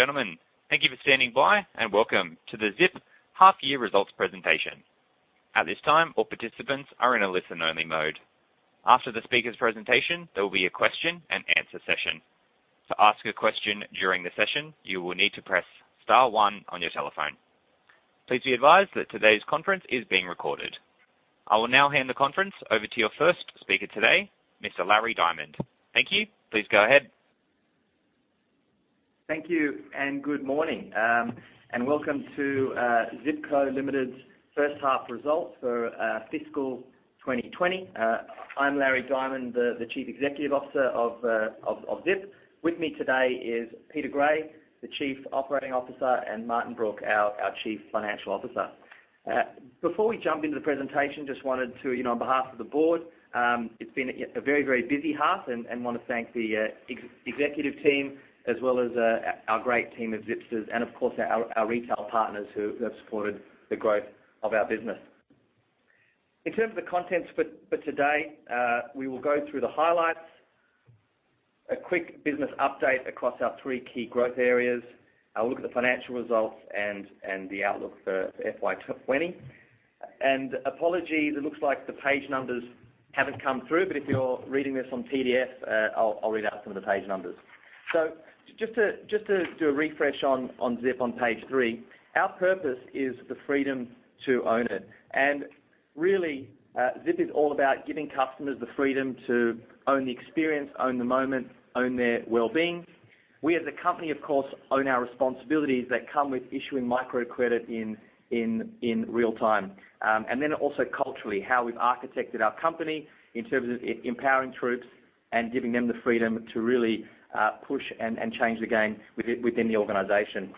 Ladies and gentlemen, thank you for standing by, and welcome to the Zip half-year results presentation. At this time, all participants are in a listen-only mode. After the speaker's presentation, there will be a question-and-answer session. To ask a question during the session, you will need to press star one on your telephone. Please be advised that today's conference is being recorded. I will now hand the conference over to your first speaker today, Mr. Larry Diamond. Thank you. Please go ahead. Thank you, and good morning, and welcome to Zip Co Limited's first half results for fiscal 2020. I'm Larry Diamond, the Chief Executive Officer of Zip. With me today is Peter Gray, the Chief Operating Officer, and Martin Brooke, our Chief Financial Officer. Before we jump into the presentation, just wanted to, you know, on behalf of the board, it's been a very, very busy half, and wanna thank the executive team, as well as, our great team of Zipsters and, of course, our retail partners who have supported the growth of our business. In terms of the contents for today, we will go through the highlights, a quick business update across our three key growth areas, a look at the financial results, and the outlook for FY 2020. And apologies, it looks like the page numbers haven't come through, but if you're reading this on PDF, I'll read out some of the page numbers. So just to refresh on Zip, on page three, our purpose is the freedom to own it. And really, Zip is all about giving customers the freedom to own the experience, own the moment, own their well-being. We, as a company, of course, own our responsibilities that come with issuing microcredit in real time. And then also culturally, how we've architected our company in terms of empowering troops and giving them the freedom to really push and change the game within the organization.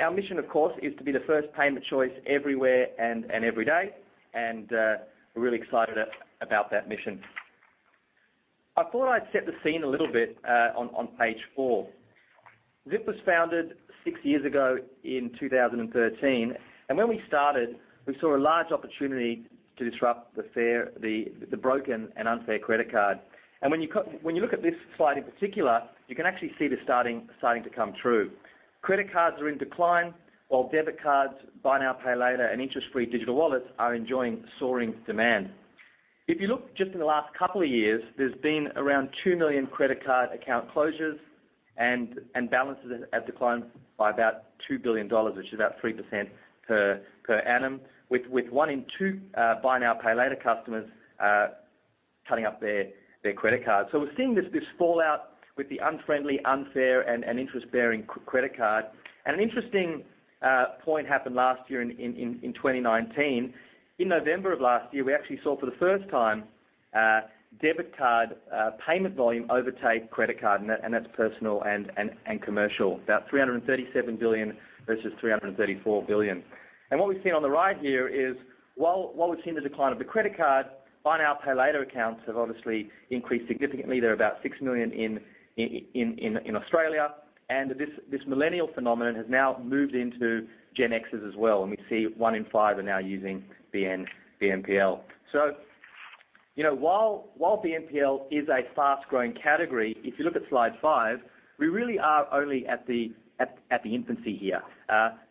Our mission, of course, is to be the first payment choice everywhere and every day, and we're really excited about that mission. I thought I'd set the scene a little bit on page four. Zip was founded six years ago in 2013, and when we started, we saw a large opportunity to disrupt the broken and unfair credit card. And when you look at this slide in particular, you can actually see this starting to come true. Credit cards are in decline, while debit cards, buy now, pay later, and interest-free digital wallets are enjoying soaring demand. If you look just in the last couple of years, there's been around 2 million credit card account closures, and balances have declined by about 2 billion dollars, which is about 3% per annum, with one in two buy now, pay later customers cutting up their credit cards. So we're seeing this fallout with the unfriendly, unfair, and interest-bearing credit card. And an interesting point happened last year in twenty nineteen. In November of last year, we actually saw for the first time debit card payment volume overtake credit card, and that's personal and commercial. About 337 billion versus 334 billion. And what we've seen on the right here is, while we've seen the decline of the credit card, buy now, pay later accounts have obviously increased significantly. They're about six million in Australia, and this millennial phenomenon has now moved into Gen Xers as well, and we see one in five are now using BNPL. So, you know, while BNPL is a fast-growing category, if you look at slide five, we really are only at the infancy here.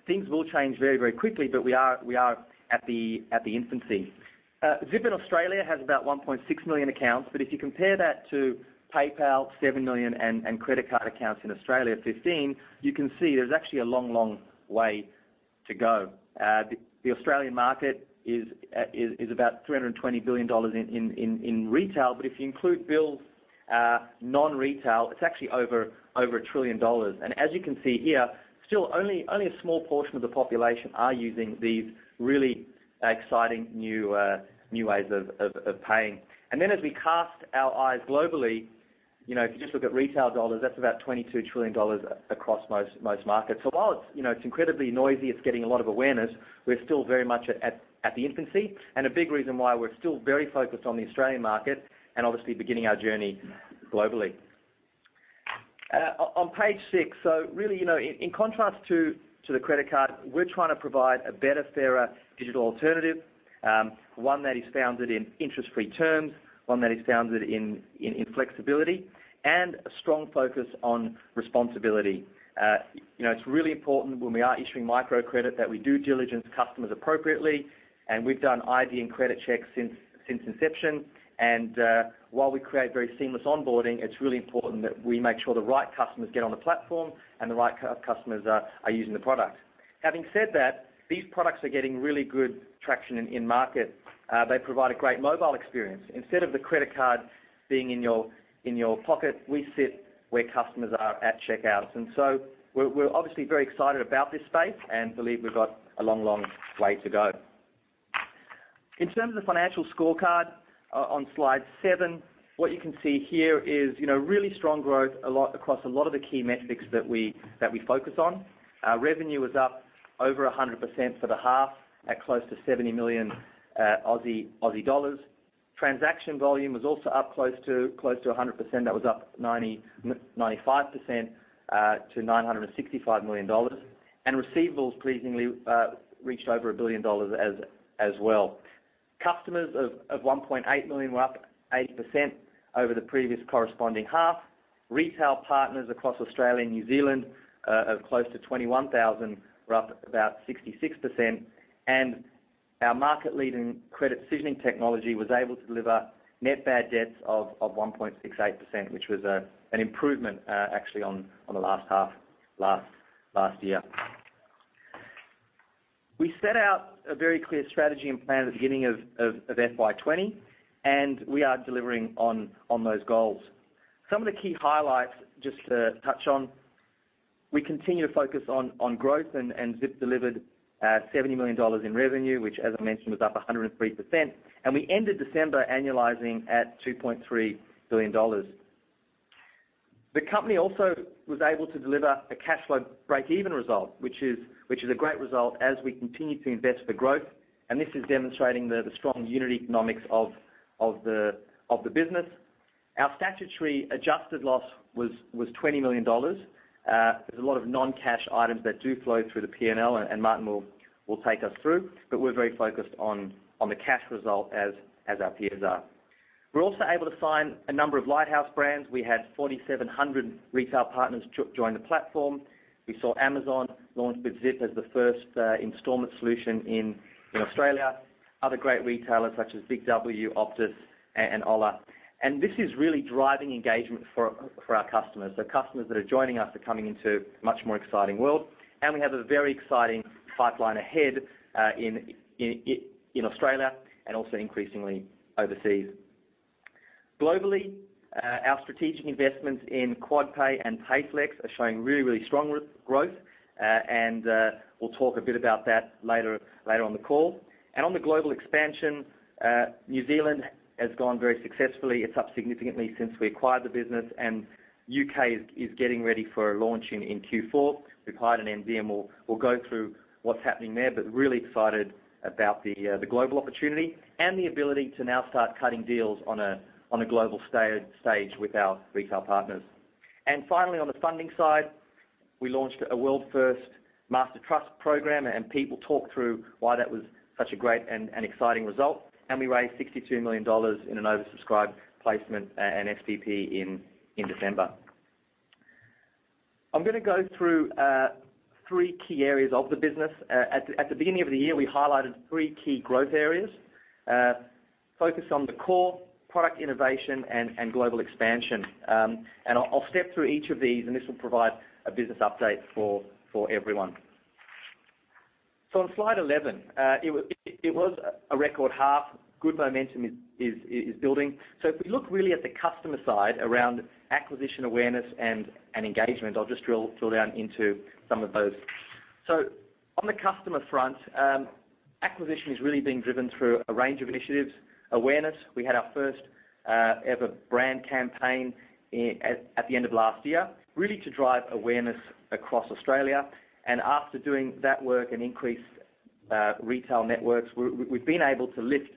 Things will change very quickly, but we are at the infancy. Zip in Australia has about 1.6 million accounts, but if you compare that to PayPal, 7 million, and credit card accounts in Australia, 15, you can see there's actually a long way to go. The Australian market is about 320 billion dollars in retail, but if you include bills, non-retail, it's actually over 1 trillion dollars. And as you can see here, still only a small portion of the population are using these really exciting new ways of paying. And then, as we cast our eyes globally, you know, if you just look at retail dollars, that's about $22 trillion across most markets. So while it's, you know, it's incredibly noisy, it's getting a lot of awareness, we're still very much at the infancy, and a big reason why we're still very focused on the Australian market and obviously beginning our journey globally. On page six, so really, you know, in contrast to the credit card, we're trying to provide a better, fairer digital alternative. One that is founded in interest-free terms, one that is founded in flexibility, and a strong focus on responsibility. You know, it's really important when we are issuing microcredit that we do due diligence customers appropriately, and we've done ID and credit checks since inception. While we create very seamless onboarding, it's really important that we make sure the right customers get on the platform and the right customers are using the product. Having said that, these products are getting really good traction in market. They provide a great mobile experience. Instead of the credit card being in your pocket, we sit where customers are at checkout. We're obviously very excited about this space and believe we've got a long, long way to go. In terms of the financial scorecard, on slide seven, what you can see here is, you know, really strong growth across a lot of the key metrics that we focus on. Our revenue was up over 100% for the half, at close to 70 million Aussie dollars. Transaction volume was also up close to a hundred percent. That was up 95% to 965 million dollars. And receivables pleasingly reached over 1 billion dollars as well. Customers of 1.8 million were up 80% over the previous corresponding half. Retail partners across Australia and New Zealand of close to 21,000 were up about 66%, and our market-leading credit seasoning technology was able to deliver net bad debts of 1.68%, which was an improvement actually on the last half last year. We set out a very clear strategy and plan at the beginning of FY 2020, and we are delivering on those goals. Some of the key highlights, just to touch on, we continue to focus on growth, and Zip delivered 70 million dollars in revenue, which, as I mentioned, was up 103%, and we ended December annualizing at 2.3 billion dollars. The company also was able to deliver a cash flow breakeven result, which is a great result as we continue to invest for growth, and this is demonstrating the strong unit economics of the business. Our statutory adjusted loss was 20 million dollars. There's a lot of non-cash items that do flow through the P&L, and Martin will take us through, but we're very focused on the cash result as our peers are. We're also able to sign a number of lighthouse brands. We had 4,700 retail partners join the platform. We saw Amazon launch with Zip as the first installment solution in Australia, other great retailers such as Big W, Optus, and Ola. This is really driving engagement for our customers. So customers that are joining us are coming into a much more exciting world, and we have a very exciting pipeline ahead, in Australia and also increasingly overseas. Globally, our strategic investments in Quadpay and Payflex are showing really, really strong growth, and we'll talk a bit about that later on the call. And on the global expansion, New Zealand has gone very successfully. It's up significantly since we acquired the business, and UK is getting ready for a launch in Q4. We've hired an MD, and we'll go through what's happening there, but really excited about the global opportunity and the ability to now start cutting deals on a global stage with our retail partners. And finally, on the funding side, we launched a world-first Master Trust program, and Pete will talk through why that was such a great and exciting result, and we raised 62 million dollars in an oversubscribed placement and SPP in December. I'm gonna go through three key areas of the business. At the beginning of the year, we highlighted three key growth areas focused on The Core, Product Innovation, and Global Expansion. And I'll step through each of these, and this will provide a business update for everyone. So on slide 11, it was a record half. Good momentum is building. So if we look really at the customer side around acquisition, awareness, and engagement, I'll just drill down into some of those. On the customer front, acquisition has really been driven through a range of initiatives. Awareness, we had our first ever brand campaign in at the end of last year, really to drive awareness across Australia. And after doing that work and increased retail networks, we've been able to lift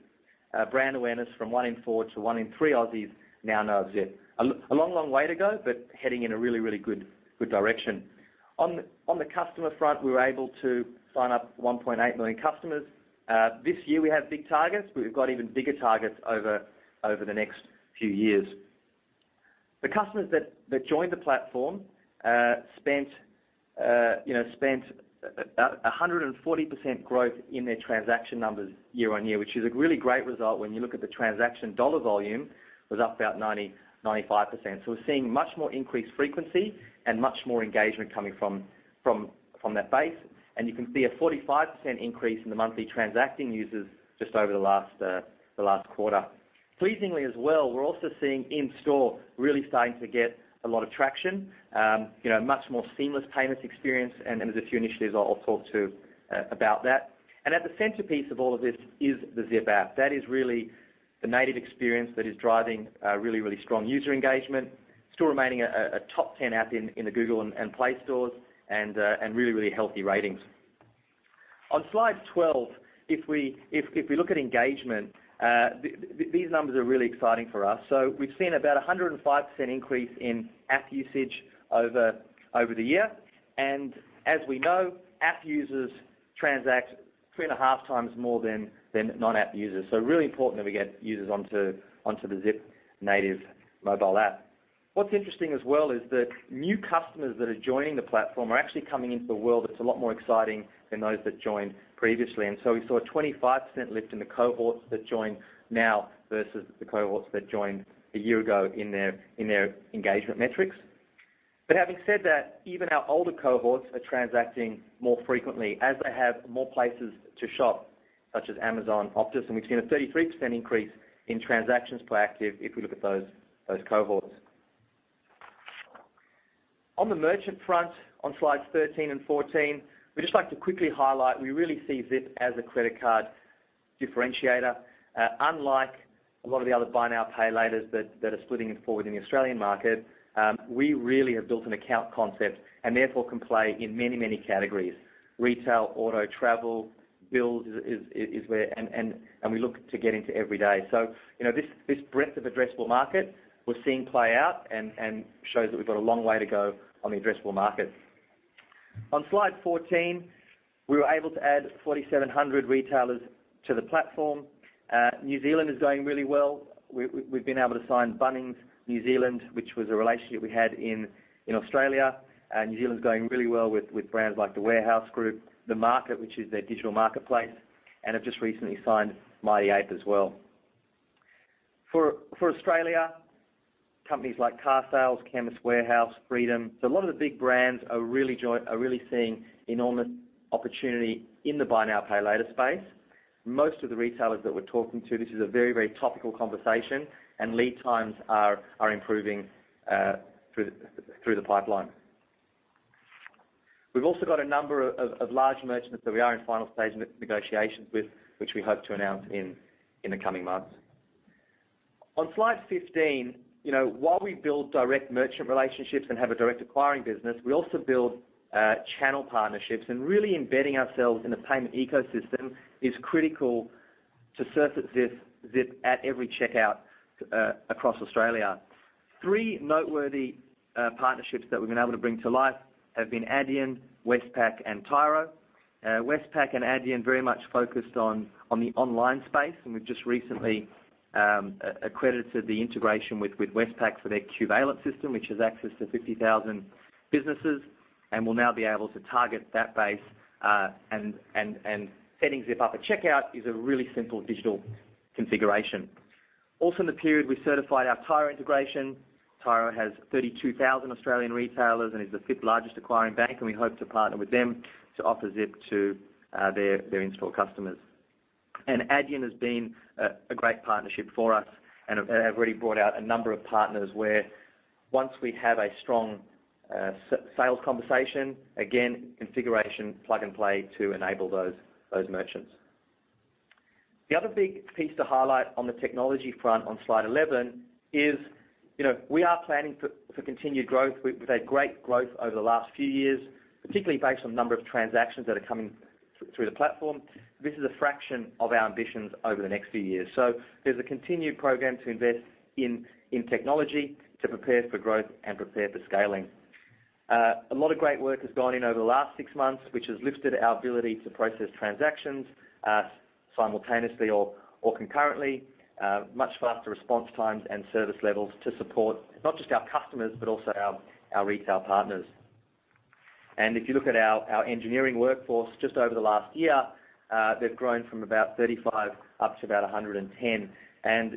brand awareness from one in four to one in three. Aussies now know of Zip. A long, long way to go, but heading in a really, really good, good direction. On the customer front, we were able to sign up 1.8 million customers this year. We have big targets, but we've got even bigger targets over the next few years. The customers that joined the platform, you know, spent 140% growth in their transaction numbers year on year, which is a really great result when you look at the transaction dollar volume, was up about 95%. So we're seeing much more increased frequency and much more engagement coming from that base, and you can see a 45% increase in the monthly transacting users just over the last quarter. Pleasingly as well, we're also seeing in-store really starting to get a lot of traction, you know, much more seamless payments experience, and there's a few initiatives I'll talk to about that. And at the centerpiece of all of this is the Zip app. That is really the native experience that is driving really strong user engagement, still remaining a top ten app in the Google Play stores, and really healthy ratings. On slide 12, if we look at engagement, these numbers are really exciting for us. So we've seen about 105% increase in app usage over the year, and as we know, app users transact 3.5x more than non-app users, so really important that we get users onto the Zip native mobile app. What's interesting as well is that new customers that are joining the platform are actually coming into a world that's a lot more exciting than those that joined previously, and so we saw a 25% lift in the cohorts that joined now versus the cohorts that joined a year ago in their, in their engagement metrics. But having said that, even our older cohorts are transacting more frequently as they have more places to shop, such as Amazon, Optus, and we've seen a 33% increase in transactions per active if we look at those, those cohorts. On the merchant front, on slides 13 and 14, we'd just like to quickly highlight, we really see Zip as a credit card differentiator. Unlike a lot of the other buy now, pay laters that are splitting it forward in the Australian market, we really have built an account concept and therefore can play in many, many categories. Retail, auto, travel, bills is where we look to get into every day. So, you know, this breadth of addressable market we're seeing play out and shows that we've got a long way to go on the addressable market. On slide 14, we were able to add 4,700 retailers to the platform. New Zealand is going really well. We've been able to sign Bunnings New Zealand, which was a relationship we had in Australia. And New Zealand's going really well with brands like the Warehouse Group, TheMarket, which is their digital marketplace, and have just recently signed Mighty Ape as well. For Australia, companies like Carsales, Chemist Warehouse, Freedom, so a lot of the big brands are really seeing enormous opportunity in the buy now, pay later space. Most of the retailers that we're talking to, this is a very, very topical conversation, and lead times are improving through the pipeline. We've also got a number of large merchants that we are in final stage negotiations with, which we hope to announce in the coming months. On slide fifteen, you know, while we build direct merchant relationships and have a direct acquiring business, we also build channel partnerships, and really embedding ourselves in the payment ecosystem is critical to surface Zip, Zip at every checkout across Australia. Three noteworthy partnerships that we've been able to bring to life have been Adyen, Westpac, and Tyro. Westpac and Adyen very much focused on the online space, and we've just recently accredited the integration with Westpac for their Qvalent system, which has access to 50,000 businesses, and we'll now be able to target that base, and setting Zip up at checkout is a really simple digital configuration. Also, in the period, we certified our Tyro integration. Tyro has 32,000 Australian retailers and is the fifth largest acquiring bank, and we hope to partner with them to offer Zip to their in-store customers. Adyen has been a great partnership for us and have really brought out a number of partners, where once we have a strong sales conversation, again, configuration, plug and play to enable those merchants. The other big piece to highlight on the technology front on slide 11 is, you know, we are planning for continued growth. We've had great growth over the last few years, particularly based on the number of transactions that are coming through the platform. This is a fraction of our ambitions over the next few years. So there's a continued program to invest in technology to prepare for growth and prepare for scaling. A lot of great work has gone in over the last six months, which has lifted our ability to process transactions simultaneously or concurrently, much faster response times and service levels to support not just our customers, but also our retail partners. If you look at our engineering workforce, just over the last year, they've grown from about 35 up to about 110.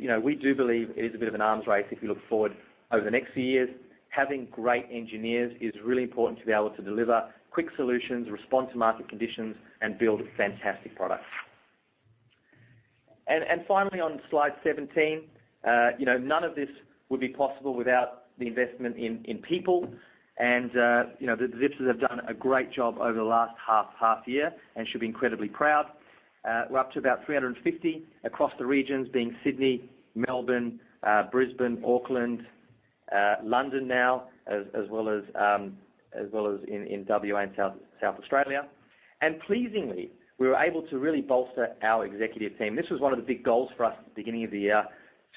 You know, we do believe it is a bit of an arms race if you look forward over the next few years. Having great engineers is really important to be able to deliver quick solutions, respond to market conditions, and build fantastic products. Finally, on slide 17, you know, none of this would be possible without the investment in people. You know, the Zippers have done a great job over the last half year and should be incredibly proud. We're up to about 350 across the regions, being Sydney, Melbourne, Brisbane, Auckland, London now, as well as in WA and South Australia. Pleasingly, we were able to really bolster our executive team. This was one of the big goals for us at the beginning of the year,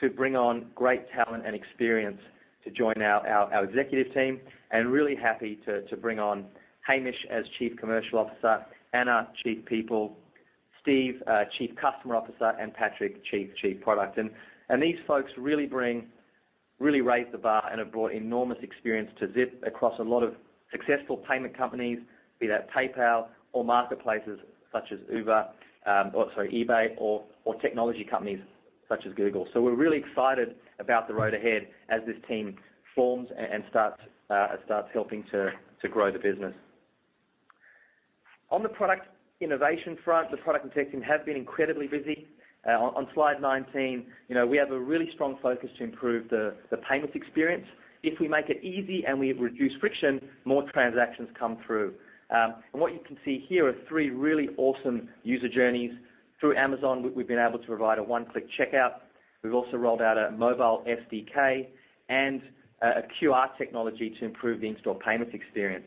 to bring on great talent and experience to join our executive team, and really happy to bring on Hamish as Chief Commercial Officer, Anna, Chief People, Steve, Chief Customer Officer, and Patrick, Chief Product. These folks really raised the bar and have brought enormous experience to Zip across a lot of successful payment companies, be that PayPal or marketplaces such as Uber, or sorry, eBay, or technology companies such as Google. So we're really excited about the road ahead as this team forms and starts helping to grow the business. On the product innovation front, the product and tech team have been incredibly busy. On slide nineteen, you know, we have a really strong focus to improve the payments experience. If we make it easy and we reduce friction, more transactions come through. And what you can see here are three really awesome user journeys. Through Amazon, we've been able to provide a one-click checkout. We've also rolled out a mobile SDK and a QR technology to improve the in-store payments experience.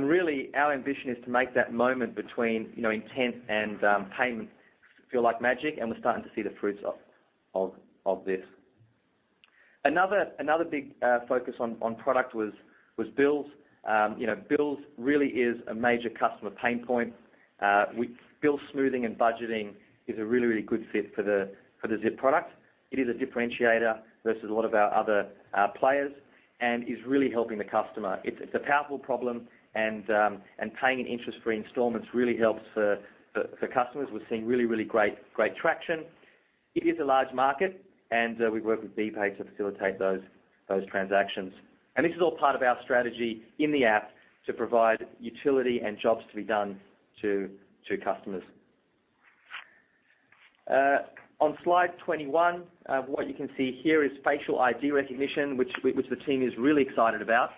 Really, our ambition is to make that moment between, you know, intent and payment feel like magic, and we're starting to see the fruits of this. Another big focus on product was bills. You know, bills really is a major customer pain point. Bill smoothing and budgeting is a really good fit for the Zip product. It is a differentiator versus a lot of our other players and is really helping the customer. It's a powerful problem, and paying in interest-free installments really helps for customers. We're seeing really great traction. It is a large market, and we work with BPAY to facilitate those transactions. This is all part of our strategy in the app to provide utility and jobs to be done to customers. On slide 21, what you can see here is facial ID recognition, which the team is really excited about.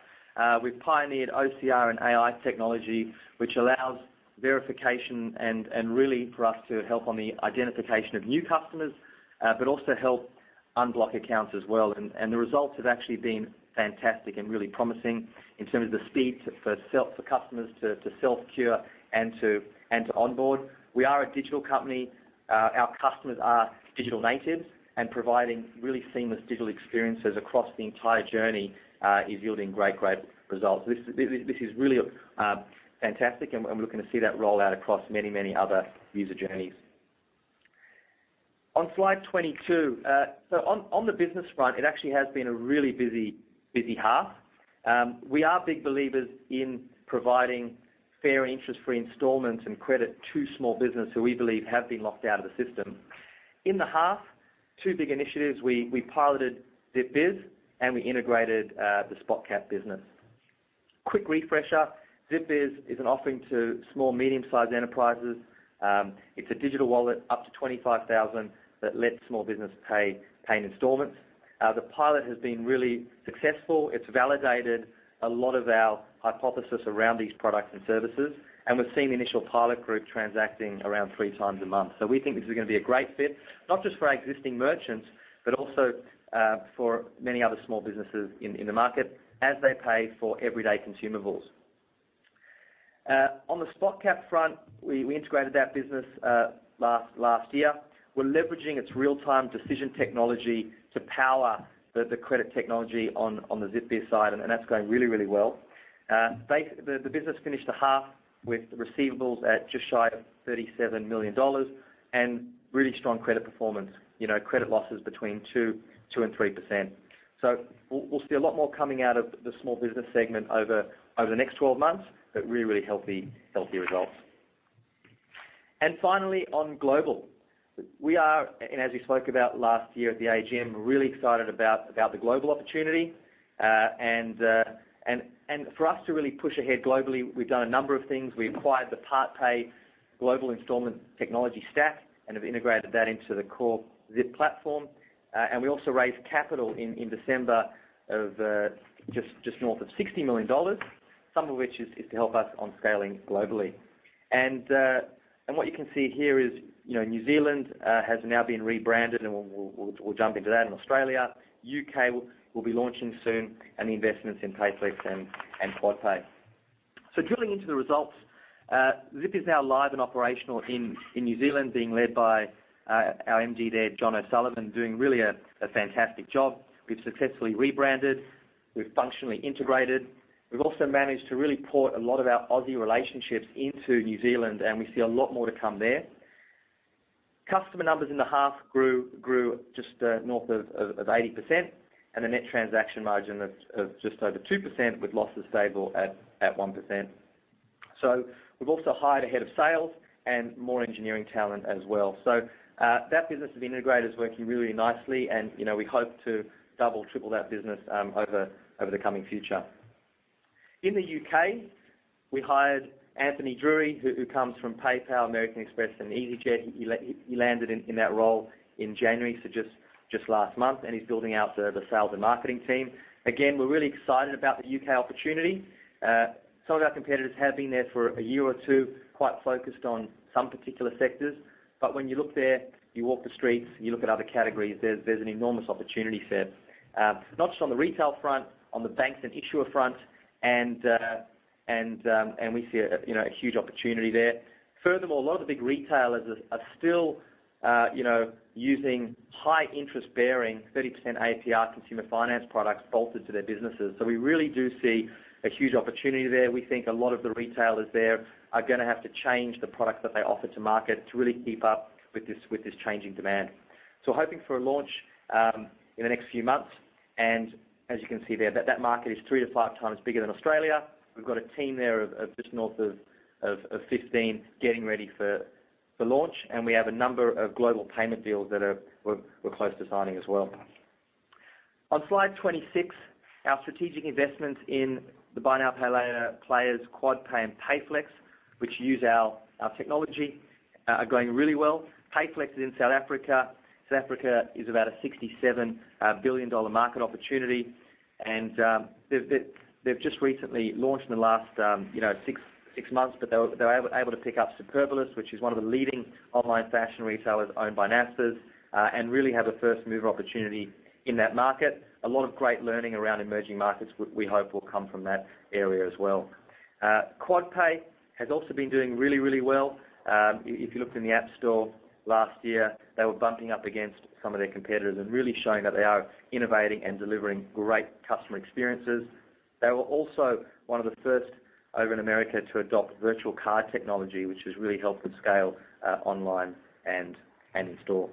We've pioneered OCR and AI technology, which allows verification and really for us to help on the identification of new customers, but also help unblock accounts as well. The results have actually been fantastic and really promising in terms of the speed for customers to self-cure and to onboard. We are a digital company. Our customers are digital natives, and providing really seamless digital experiences across the entire journey is yielding great, great results. This is really fantastic, and we're looking to see that roll out across many other user journeys. On slide 22, so on the business front, it actually has been a really busy half. We are big believers in providing fair interest-free installments and credit to small business, who we believe have been locked out of the system. In the half, two big initiatives: we piloted Zip Biz, and we integrated the Spotcap business. Quick refresher, Zip Biz is an offering to small, medium-sized enterprises. It's a digital wallet, up to 25,000, that lets small business pay in installments. The pilot has been really successful. It's validated a lot of our hypothesis around these products and services, and we're seeing the initial pilot group transacting around three times a month. So we think this is gonna be a great fit, not just for our existing merchants, but also for many other small businesses in the market as they pay for everyday consumables. On the Spotcap front, we integrated that business last year. We're leveraging its real-time decision technology to power the credit technology on the Zip Biz side, and that's going really well. The business finished the half with receivables at just shy of 37 million dollars and really strong credit performance. You know, credit loss is between 2% and 3%. So we'll see a lot more coming out of the small business segment over the next twelve months, but really healthy results. And finally, on global. We are, and as we spoke about last year at the AGM, we're really excited about the global opportunity. For us to really push ahead globally, we've done a number of things. We acquired the PartPay global installment technology stack and have integrated that into the core Zip platform. And we also raised capital in December of just north of 60 million dollars, some of which is to help us on scaling globally. And what you can see here is, you know, New Zealand has now been rebranded, and we'll jump into that. In Australia, UK will be launching soon, and the investments in Payflex and Quadpay. So drilling into the results, Zip is now live and operational in New Zealand, being led by our MD there, John O'Sullivan, doing really a fantastic job. We've successfully rebranded. We've functionally integrated. We've also managed to really port a lot of our Aussie relationships into New Zealand, and we see a lot more to come there. Customer numbers in the half grew just north of 80%, and a net transaction margin of just over 2%, with losses stable at 1%. So we've also hired a head of sales and more engineering talent as well. So that business with integrators working really nicely, and you know, we hope to double, triple that business over the coming future. In the U.K., we hired Anthony Drury, who comes from PayPal, American Express, and easyJet. He landed in that role in January, so just last month, and he's building out the sales and marketing team. Again, we're really excited about the U.K. opportunity. Some of our competitors have been there for a year or two, quite focused on some particular sectors. But when you look there, you walk the streets, and you look at other categories, there's an enormous opportunity set. Not just on the retail front, on the banks and issuer front, and we see a, you know, a huge opportunity there. Furthermore, a lot of the big retailers are still, you know, using high interest-bearing, 30% APR consumer finance products bolted to their businesses. So we really do see a huge opportunity there. We think a lot of the retailers there are gonna have to change the products that they offer to market to really keep up with this with this changing demand. So we're hoping for a launch in the next few months, and as you can see there, that market is three to five times bigger than Australia. We've got a team there of just north of 15 getting ready for launch, and we have a number of global payment deals that we're close to signing as well. On slide 26, our strategic investments in the buy now, pay later players, Quadpay and Payflex, which use our technology, are going really well. Payflex is in South Africa. South Africa is about a $67 billion market opportunity, and they've just recently launched in the last, you know, six months, but they were able to pick up Superbalist, which is one of the leading online fashion retailers owned by Naspers, and really have a first-mover opportunity in that market. A lot of great learning around emerging markets, we hope will come from that area as well. Quadpay has also been doing really well. If you looked in the App Store last year, they were bumping up against some of their competitors and really showing that they are innovating and delivering great customer experiences. They were also one of the first over in America to adopt virtual card technology, which has really helped them scale online and in-store.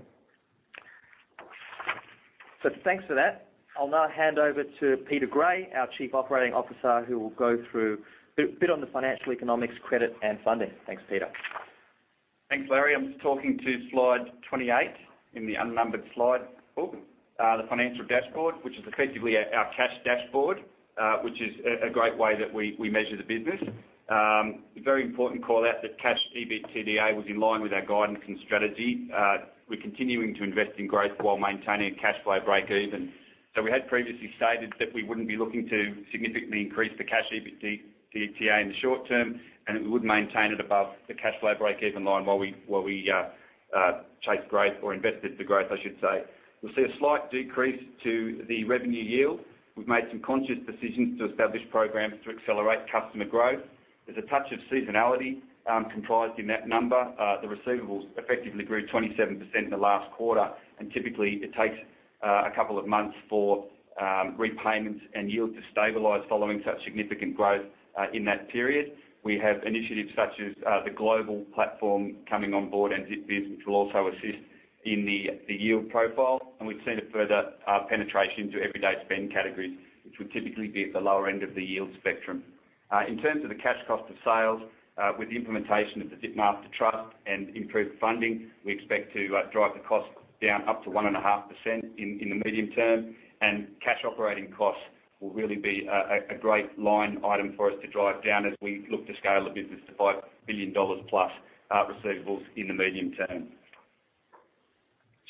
So thanks for that. I'll now hand over to Peter Gray, our Chief Operating Officer, who will go through a bit on the financial economics, credit, and funding. Thanks, Peter. Thanks, Larry. I'm talking to slide 28 in the unnumbered slide, book, the financial dashboard, which is effectively our cash dashboard, which is a great way that we measure the business. A very important call-out, that cash EBITDA was in line with our guidance and strategy. We're continuing to invest in growth while maintaining cash flow breakeven, so we had previously stated that we wouldn't be looking to significantly increase the cash EBITDA in the short term, and that we would maintain it above the cash flow breakeven line while we chase growth or invest it for growth, I should say. You'll see a slight decrease to the revenue yield. We've made some conscious decisions to establish programs to accelerate customer growth. There's a touch of seasonality comprised in that number. The receivables effectively grew 27% in the last quarter, and typically it takes a couple of months for repayments and yield to stabilize following such significant growth in that period. We have initiatives such as the global platform coming on board, and Zip Biz, which will also assist in the yield profile, and we've seen a further penetration to everyday spend categories, which would typically be at the lower end of the yield spectrum. In terms of the cash cost of sales, with the implementation of the Zip Master Trust and improved funding, we expect to drive the cost down up to 1.5% in the medium term, and cash operating costs will really be a great line item for us to drive down as we look to scale the business to 5 billion dollars plus receivables in the medium term.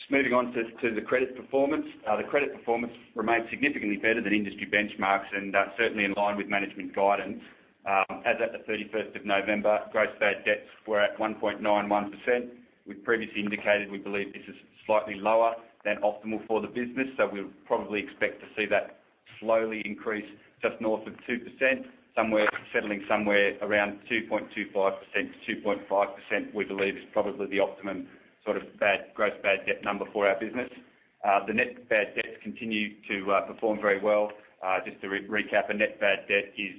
Just moving on to the credit performance. The credit performance remains significantly better than industry benchmarks, and certainly in line with management guidance. As at the thirty-first of November, gross bad debts were at 1.91%. We've previously indicated we believe this is slightly lower than optimal for the business, so we'll probably expect to see that slowly increase just north of 2%, somewhere settling somewhere around 2.25%-2.5%, we believe is probably the optimum sort of bad, gross bad debt number for our business. The net bad debts continue to perform very well. Just to recap, a net bad debt is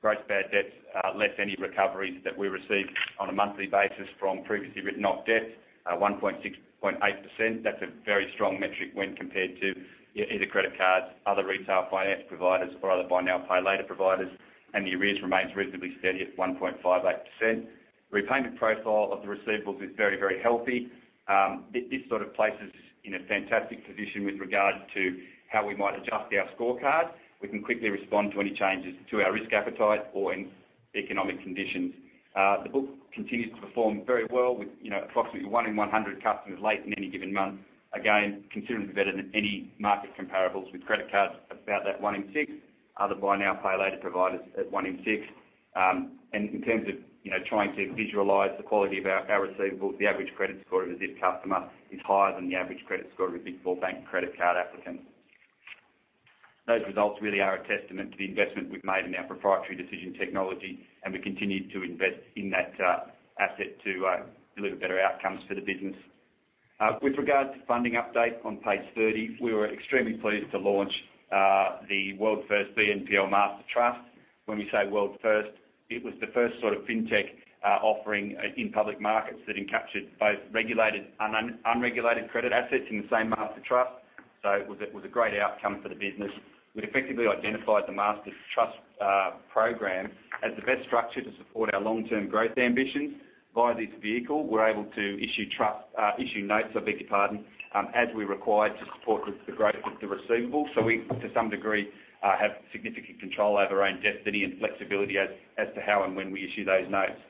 gross bad debts less any recoveries that we receive on a monthly basis from previously written-off debts, 1.68%. That's a very strong metric when compared to either credit cards, other retail finance providers, or other buy now, pay later providers, and the arrears remains reasonably steady at 1.58%. Repayment profile of the receivables is very, very healthy. This sort of places us in a fantastic position with regard to how we might adjust our scorecard. We can quickly respond to any changes to our risk appetite or in economic conditions. The book continues to perform very well with, you know, approximately one in one hundred customers late in any given month. Again, considerably better than any market comparables with credit cards, about that one in six, other buy now, pay later providers at one in six. And in terms of, you know, trying to visualize the quality of our, our receivables, the average credit score of a Zip customer is higher than the average credit score of a big four bank credit card applicant. Those results really are a testament to the investment we've made in our proprietary decision technology, and we continue to invest in that asset to deliver better outcomes for the business. With regard to funding update on page 30, we were extremely pleased to launch the world's first BNPL Master Trust. When we say world first, it was the first sort of fintech offering in public markets that encapsulates both regulated and unregulated credit assets in the same master trust. So it was a great outcome for the business. We've effectively identified the Master Trust program as the best structure to support our long-term growth ambitions. Via this vehicle, we're able to issue notes, I beg your pardon, as we're required to support the growth of the receivables. So we, to some degree, have significant control over our own destiny and flexibility as to how and when we issue those notes.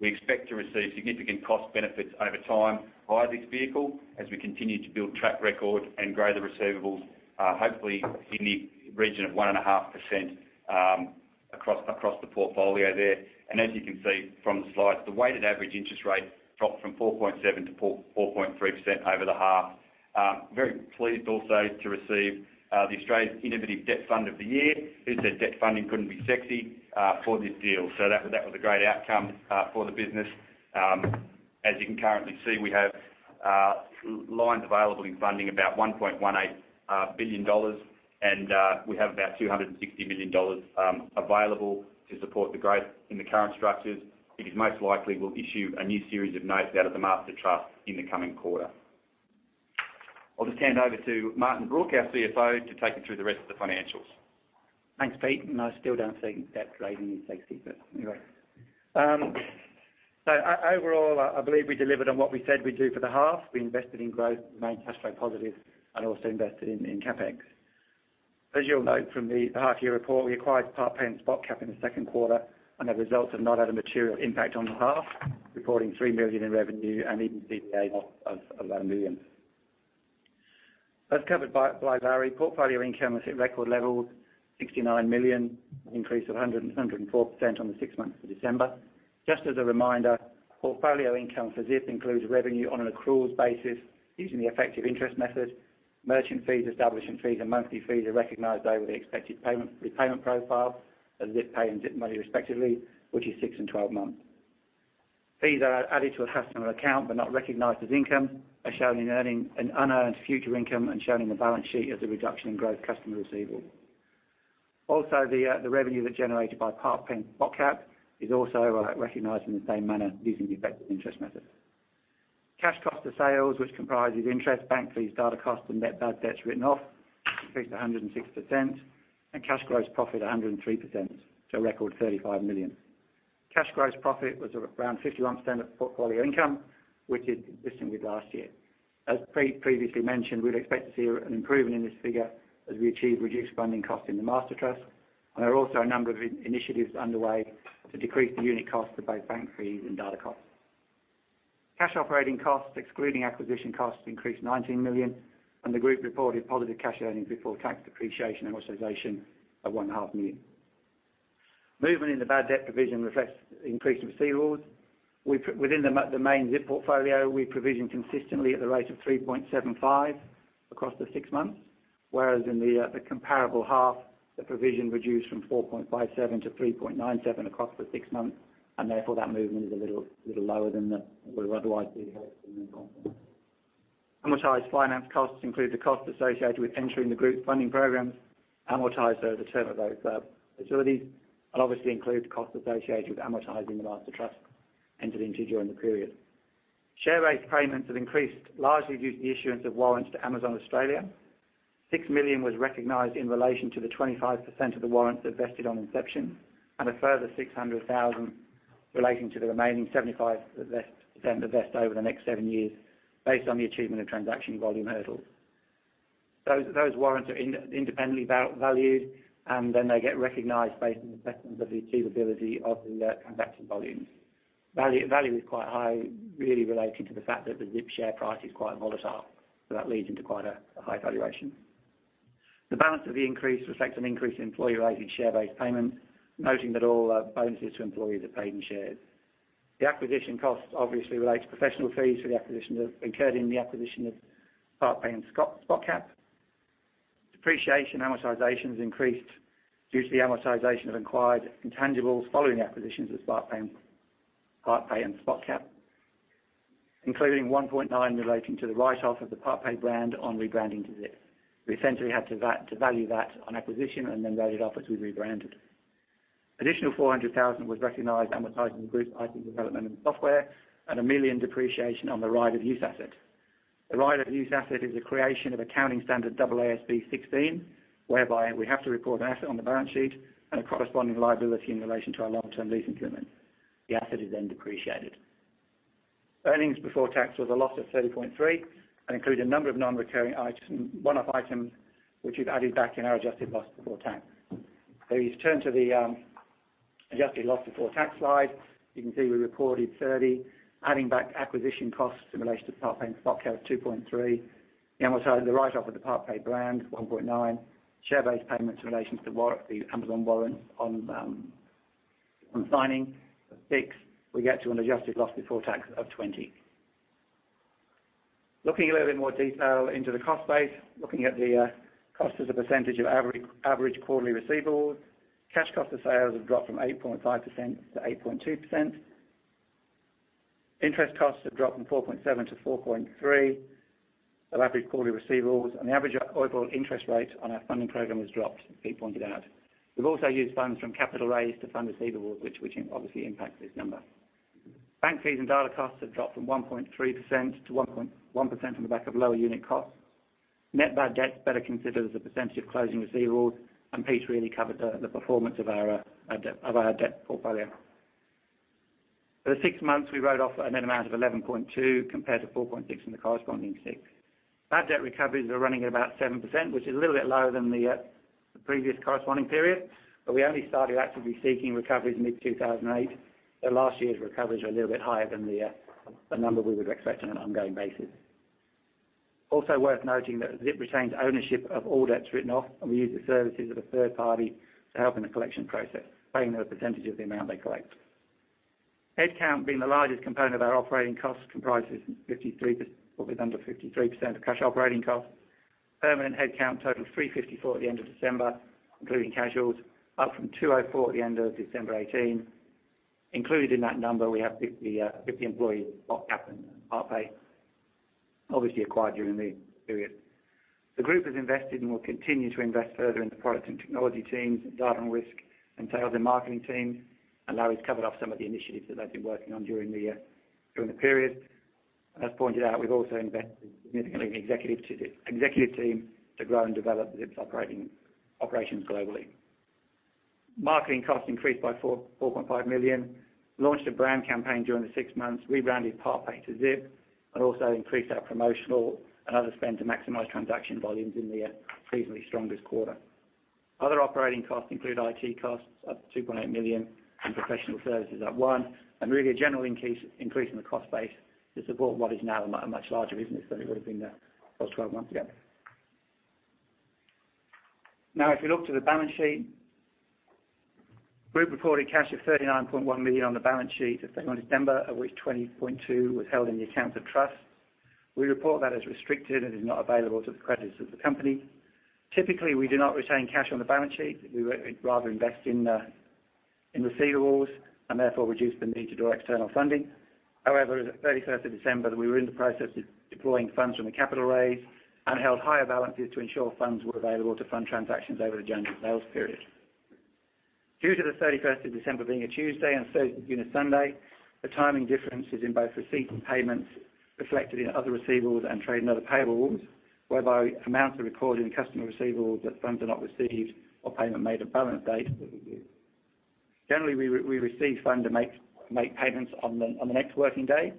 We expect to receive significant cost benefits over time via this vehicle, as we continue to build track record and grow the receivables, hopefully in the region of 1.5% across the portfolio there. And as you can see from the slides, the weighted average interest rate dropped from 4.7%-4.3% over the half. Very pleased also to receive the Australian Innovative Debt Fund of the Year. Who said debt funding couldn't be sexy for this deal? So that was a great outcome for the business. As you can currently see, we have lines available in funding about 1.18 billion dollars, and we have about 260 million dollars available to support the growth in the current structures. It is most likely we'll issue a new series of notes out of the Master Trust in the coming quarter. I'll just hand over to Martin Brooke, our CFO, to take you through the rest of the financials. Thanks, Pete, and I still don't see debt rating as sexy, but anyway. So overall, I believe we delivered on what we said we'd do for the half. We invested in growth, remained cash flow positive, and also invested in CapEx. As you'll note from the half year report, we acquired PartPay and Spotcap in the second quarter, and the results have not had a material impact on the half, reporting 3 million in revenue and EBITDA of around 1 million. As covered by Larry, portfolio income has hit record levels, 69 million, an increase of 104% on the six months to December. Just as a reminder, portfolio income for Zip includes revenue on an accruals basis using the effective interest method. Merchant fees, establishing fees, and monthly fees are recognized over the expected payment repayment profile as Zip Pay and Zip Money respectively, which is six and 12 months. Fees that are added to a customer account but not recognized as income are shown in unearned future income and shown in the balance sheet as a reduction in gross customer receivable. Also, the revenue that's generated by PartPay and Spotcap is also recognized in the same manner, using the effective interest method. Cash cost of sales, which comprises interest, bank fees, data costs, and net bad debts written off, increased to 106%, and cash gross profit, 103%, to a record 35 million. Cash gross profit was around 51% of portfolio income, which is consistent with last year. As Pete previously mentioned, we'd expect to see an improvement in this figure as we achieve reduced funding costs in the Master Trust. There are also a number of initiatives underway to decrease the unit cost of both bank fees and data costs. Cash operating costs, excluding acquisition costs, increased 19 million, and the group reported positive cash earnings before tax depreciation and amortization of 1.5 million. Movement in the bad debt provision reflects increase in receivables. We, within the main Zip portfolio, we provision consistently at the rate of 3.75% across the six months, whereas in the comparable half, the provision reduced from 4.57%-3.97% across the six months, and therefore, that movement is a little lower than we would otherwise be hoping it would go. Amortized finance costs include the costs associated with entering the group funding programs, amortized over the term of those facilities, and obviously include the costs associated with amortizing the Master Trust entered into during the period. Share-based payments have increased, largely due to the issuance of warrants to Amazon Australia. 6 million was recognized in relation to the 25% of the warrants that vested on inception, and a further 600,000 relating to the remaining 75% that vest over the next seven years, based on the achievement of transaction volume hurdles. Those warrants are independently valued, and then they get recognized based on the assessment of the achievability of the transaction volumes. Value is quite high, really relating to the fact that the Zip share price is quite volatile, so that leads into quite a high valuation. The balance of the increase reflects an increase in employee rates in share-based payments, noting that all bonuses to employees are paid in shares. The acquisition costs obviously relate to professional fees for the acquisitions that occurred in the acquisition of PartPay and Spotcap. Depreciation and amortization has increased due to the amortization of acquired intangibles following the acquisitions of PartPay and Spotcap, including 1.9 relating to the write-off of the PartPay brand on rebranding to Zip. We essentially had to value that on acquisition and then write it off as we rebranded. Additional 400,000 was recognized amortizing the group IT development and software, and 1 million depreciation on the right of use asset. The right of use asset is a creation of accounting standard AASB 16, whereby we have to report an asset on the balance sheet and a corresponding liability in relation to our long-term lease commitments. The asset is then depreciated. Earnings before tax was a loss of 30.3 and include a number of non-recurring item, one-off items, which we've added back in our adjusted loss before tax. So if you turn to the adjusted loss before tax slide, you can see we recorded 30, adding back acquisition costs in relation to PartPay and Spotcap, 2.3. The write-off of the PartPay brand, 1.9. Share-based payments in relation to the Amazon warrants on signing, 6. We get to an adjusted loss before tax of 20. Looking a little bit more detail into the cost base, looking at the cost as a percentage of average quarterly receivables, cash cost of sales have dropped from 8.5%-8.2%. Interest costs have dropped from 4.7%-4.3% of average quarterly receivables, and the average overall interest rate on our funding program has dropped, Pete pointed out. We've also used funds from capital raise to fund receivables, which obviously impacts this number. Bank fees and data costs have dropped from 1.3%-1.1% on the back of lower unit costs. Net bad debt is better considered as a percentage of closing receivables, and Pete really covered the performance of our debt portfolio. For the six months, we wrote off a net amount of 11.2, compared to 4.6 in the corresponding six. Bad debt recoveries are running at about 7%, which is a little bit lower than the previous corresponding period, but we only started actively seeking recoveries in mid-2008. So last year's recoveries are a little bit higher than the number we would expect on an ongoing basis. Also worth noting that Zip retains ownership of all debts written off, and we use the services of a third party to help in the collection process, paying them a percentage of the amount they collect. Headcount, being the largest component of our operating costs, comprises 53%, or with under 53% of cash operating costs. Permanent headcount totals 354 at the end of December, including casuals, up from 204 at the end of December 2018. Included in that number, we have 50, 50 employees, Spotcap and PartPay, obviously acquired during the period. The group has invested and will continue to invest further in the products and technology teams, data and risk, and sales and marketing teams. Larry's covered off some of the initiatives that they've been working on during the period. As pointed out, we've also invested significantly in the executive team to grow and develop Zip's operations globally. Marketing costs increased by 4.5 million. Launched a brand campaign during the six months, rebranded PartPay to Zip, and also increased our promotional and other spend to maximize transaction volumes in the seasonally strongest quarter. Other operating costs include IT costs, up 2.8 million, and professional services at 1, and really a general increase in the cost base to support what is now a much larger business than it would have been twelve months ago. Now, if you look to the balance sheet, group reported cash of 39.1 million on the balance sheet as of December, of which 20.2 was held in the accounts of trust. We report that as restricted and is not available to the creditors of the company. Typically, we do not retain cash on the balance sheet. We would rather invest in receivables and therefore reduce the need to do external funding. However, as at thirty-first of December, we were in the process of deploying funds from the capital raise and held higher balances to ensure funds were available to fund transactions over the January sales period. Due to the thirty-first of December being a Tuesday and thirty-first of June a Sunday, the timing differences in both receipt and payments reflected in other receivables and trade and other payables, whereby amounts are recorded in customer receivables, that funds are not received or payment made at balance date. Generally, we receive funds to make payments on the next working day,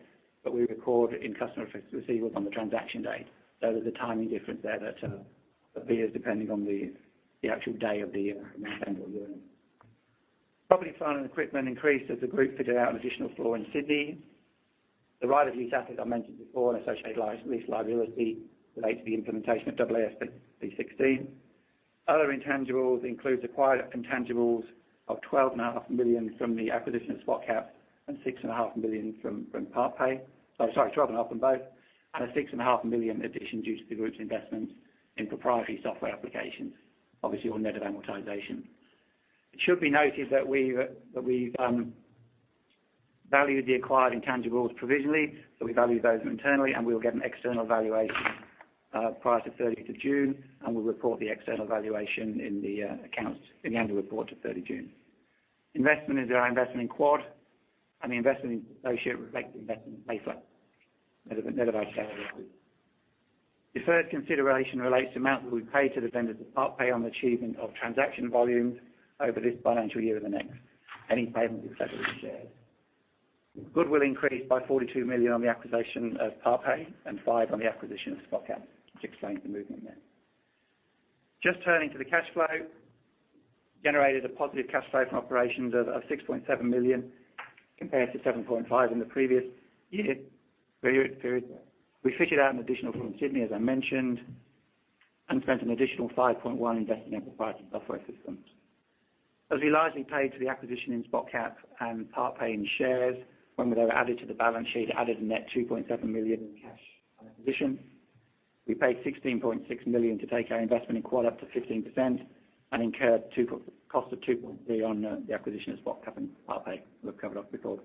but we record in customer receivables on the transaction date. So there's a timing difference there that appears depending on the actual day of the end of the year. Property, plant, and equipment increased as the group fitted out an additional floor in Sydney. The right-of-lease assets I mentioned before and associated lease liability relates to the implementation of AASB 16. Other intangibles includes acquired intangibles of 12.5 million from the acquisition of Spotcap and 6.5 million from PartPay. Oh, sorry, 12.5 million in both, and a 6.5 million addition due to the group's investments in proprietary software applications, obviously, all net of amortization. It should be noted that we've valued the acquired intangibles provisionally, so we value those internally, and we will get an external valuation prior to thirtieth of June, and we'll report the external valuation in the accounts, in the annual report to thirty June. Investment is our investment in Quadpay and the investment in associate reflects the investment in Payflex, net of our share issue. Deferred consideration relates to amounts that we paid to the vendors of PartPay on the achievement of transaction volumes over this financial year or the next. Any payments are separately shared. Goodwill increased by 42 million on the acquisition of PartPay and 5 million on the acquisition of Spotcap, which explains the movement there. Just turning to the cash flow, generated a positive cash flow from operations of six point seven million compared to seven point five in the previous year. We fitted out an additional from Sydney, as I mentioned, and spent an additional five point one investing in proprietary software systems. As we largely paid for the acquisition in Spotcap and PartPay in shares, when they were added to the balance sheet, added a net two point seven million in cash position. We paid 16.6 million to take our investment in Quad up to 15% and incurred costs of 2.3 on the acquisition of Spotcap and PartPay. We've covered off before.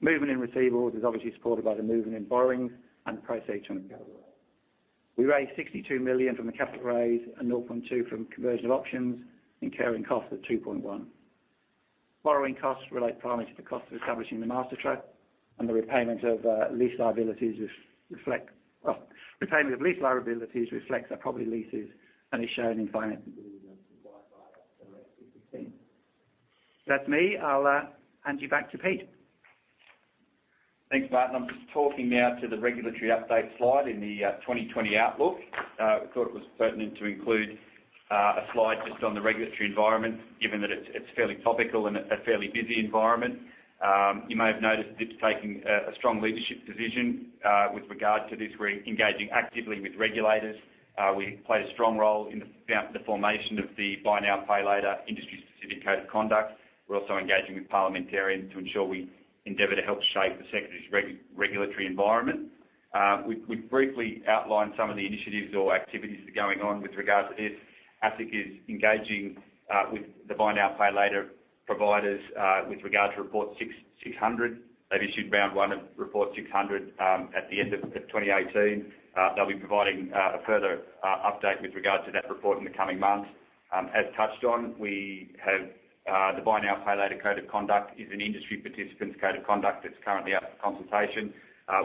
Movement in receivables is obviously supported by the movement in borrowings and the proceeds from the capital raise. We raised 62 million from the capital raise and 0.2 from conversion of options, incurring costs of 2.1. Borrowing costs relate primarily to the cost of establishing the Master Trust and the repayment of lease liabilities, which reflect. Oh, repayment of lease liabilities reflects our property leases, and is shown in finance lease and IFRS 16. That's me. I'll hand you back to Pete. Thanks, Martin. I'm just talking now to the regulatory update slide in the twenty twenty outlook. I thought it was pertinent to include a slide just on the regulatory environment, given that it's fairly topical and a fairly busy environment. You may have noticed Zip taking a strong leadership position with regard to this. We're engaging actively with regulators. We played a strong role in the formation of the buy now, pay later industry-specific code of conduct. We're also engaging with parliamentarians to ensure we endeavor to help shape the secretary's regulatory environment. We briefly outlined some of the initiatives or activities going on with regard to this. ASIC is engaging with the buy now, pay later providers with regard to Report six hundred. They've issued round one of Report 600 at the end of 2018. They'll be providing a further update with regard to that report in the coming months. As touched on, we have the buy now, pay later code of conduct is an industry participants code of conduct that's currently out for consultation.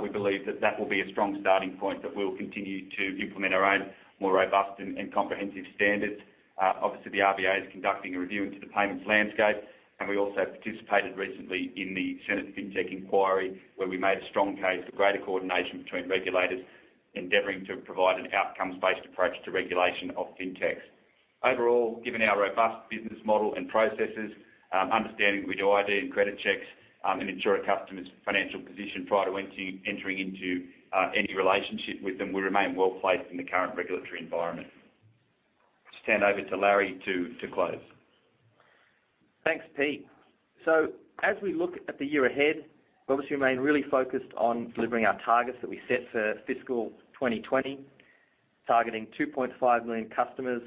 We believe that that will be a strong starting point, but we'll continue to implement our own more robust and comprehensive standards. Obviously, the RBA is conducting a review into the payments landscape, and we also participated recently in the Senate Fintech inquiry, where we made a strong case for greater coordination between regulators, endeavoring to provide an outcomes-based approach to regulation of Fintechs. Overall, given our robust business model and processes, understanding with ID and credit checks, and ensure a customer's financial position prior to entering into any relationship with them, we remain well-placed in the current regulatory environment. Just hand over to Larry to close. Thanks, Pete. So as we look at the year ahead, we obviously remain really focused on delivering our targets that we set for fiscal 2020, targeting 2.5 million customers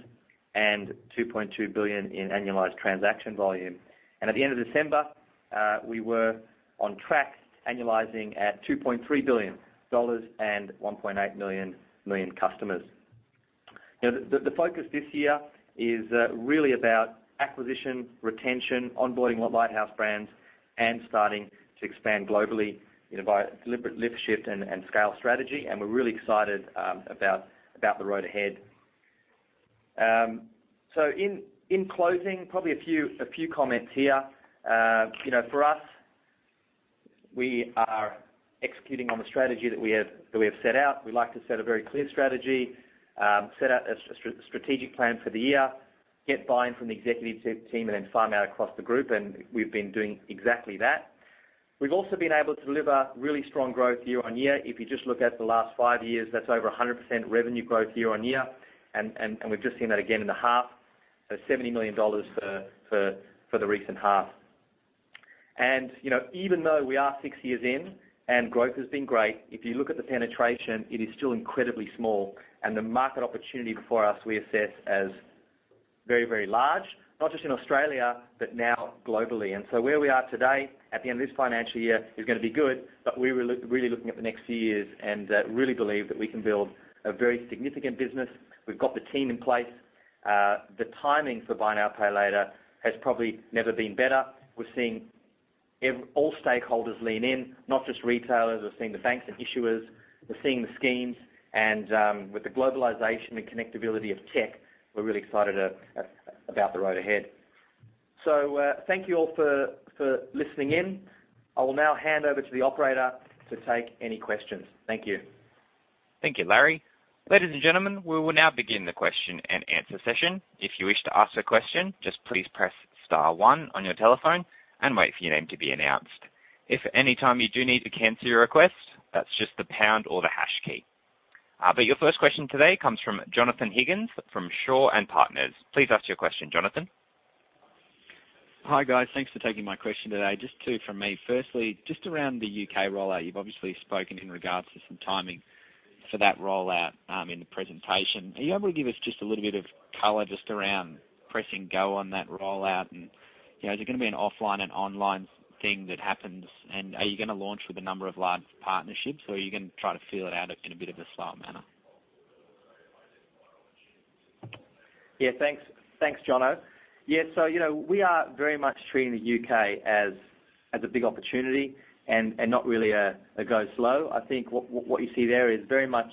and 2.2 billion in annualized transaction volume. And at the end of December, we were on track, annualizing at 2.3 billion dollars and 1.8 million customers. You know, the focus this year is really about acquisition, retention, onboarding lighthouse brands, and starting to expand globally, you know, by deliberate lift, shift, and scale strategy, and we're really excited about the road ahead. So in closing, probably a few comments here. You know, for us, we are executing on the strategy that we have set out. We like to set a very clear strategy, set out a strategic plan for the year, get buy-in from the executive team, and then farm out across the group, and we've been doing exactly that. We've also been able to deliver really strong growth year on year. If you just look at the last five years, that's over 100% revenue growth year on year, and we've just seen that again in the half, so 70 million dollars for the recent half. You know, even though we are six years in and growth has been great, if you look at the penetration, it is still incredibly small, and the market opportunity before us, we assess as very, very large, not just in Australia, but now globally. And so where we are today, at the end of this financial year, is gonna be good, but we're really looking at the next few years and really believe that we can build a very significant business. We've got the team in place. The timing for buy now, pay later has probably never been better. We're seeing all stakeholders lean in, not just retailers. We're seeing the banks and issuers. We're seeing the schemes, and with the globalization and connectivity of tech, we're really excited about the road ahead. So thank you all for listening in. I will now hand over to the operator to take any questions. Thank you. Thank you, Larry. Ladies and gentlemen, we will now begin the question and answer session. If you wish to ask a question, just please press star one on your telephone and wait for your name to be announced. If at any time you do need to cancel your request, that's just the pound or the hash key. But your first question today comes from Jonathan Higgins from Shaw and Partners. Please ask your question, Jonathan. Hi, guys. Thanks for taking my question today. Just two from me. Firstly, just around the U.K. rollout, you've obviously spoken in regards to some timing for that rollout in the presentation. Are you able to give us just a little bit of color just around pressing go on that rollout? And, you know, is it gonna be an offline and online thing that happens, and are you gonna launch with a number of large partnerships, or are you gonna try to feel it out in a bit of a slower manner? Yeah, thanks. Thanks, Jona. Yeah, so, you know, we are very much treating the U.K. as a big opportunity and not really a go slow. I think what you see there is very much,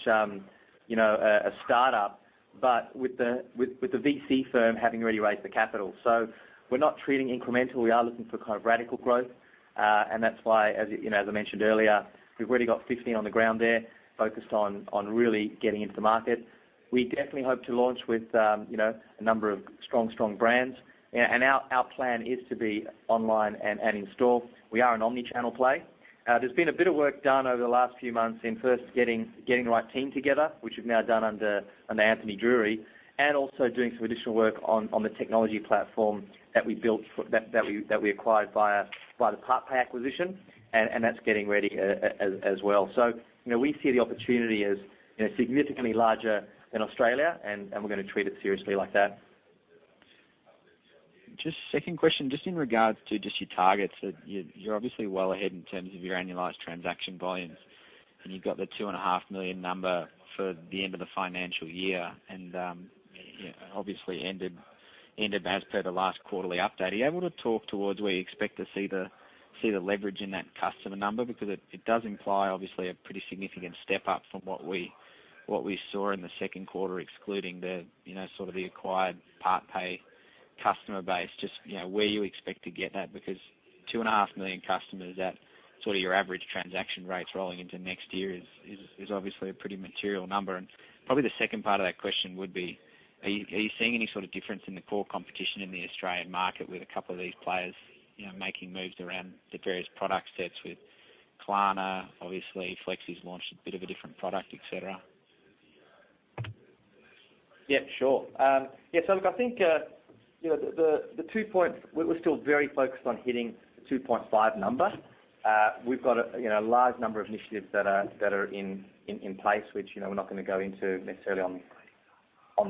you know, a startup, but with the VC firm having already raised the capital. So we're not treating incremental. We are looking for kind of radical growth, and that's why, as you know, as I mentioned earlier, we've already got 50 on the ground there, focused on really getting into the market. We definitely hope to launch with, you know, a number of strong brands. And our plan is to be online and in store. We are an omni-channel play. There's been a bit of work done over the last few months in first getting the right team together, which we've now done under Anthony Drury, and also doing some additional work on the technology platform that we acquired via the PartPay acquisition, and that's getting ready as well. You know, we see the opportunity as you know, significantly larger than Australia, and we're gonna treat it seriously like that. Just second question, just in regards to just your targets. You're obviously well ahead in terms of your annualized transaction volumes, and you've got the 2.5 million number for the end of the financial year, and, you know, obviously ended as per the last quarterly update. Are you able to talk towards where you expect to see the leverage in that customer number? Because it does imply, obviously, a pretty significant step up from what we saw in the second quarter, excluding the, you know, sort of the acquired PartPay customer base. Just, you know, where you expect to get that, because 2.5 million customers at sort of your average transaction rates rolling into next year is obviously a pretty material number. Probably the second part of that question would be, are you seeing any sort of difference in the core competition in the Australian market with a couple of these players, you know, making moves around the various product sets with Klarna? Obviously, Flexi's launched a bit of a different product, et cetera. Yeah, sure. Yeah, so look, I think, you know, the 2.5 number. We've got a large number of initiatives that are in place, which, you know, we're not gonna go into necessarily on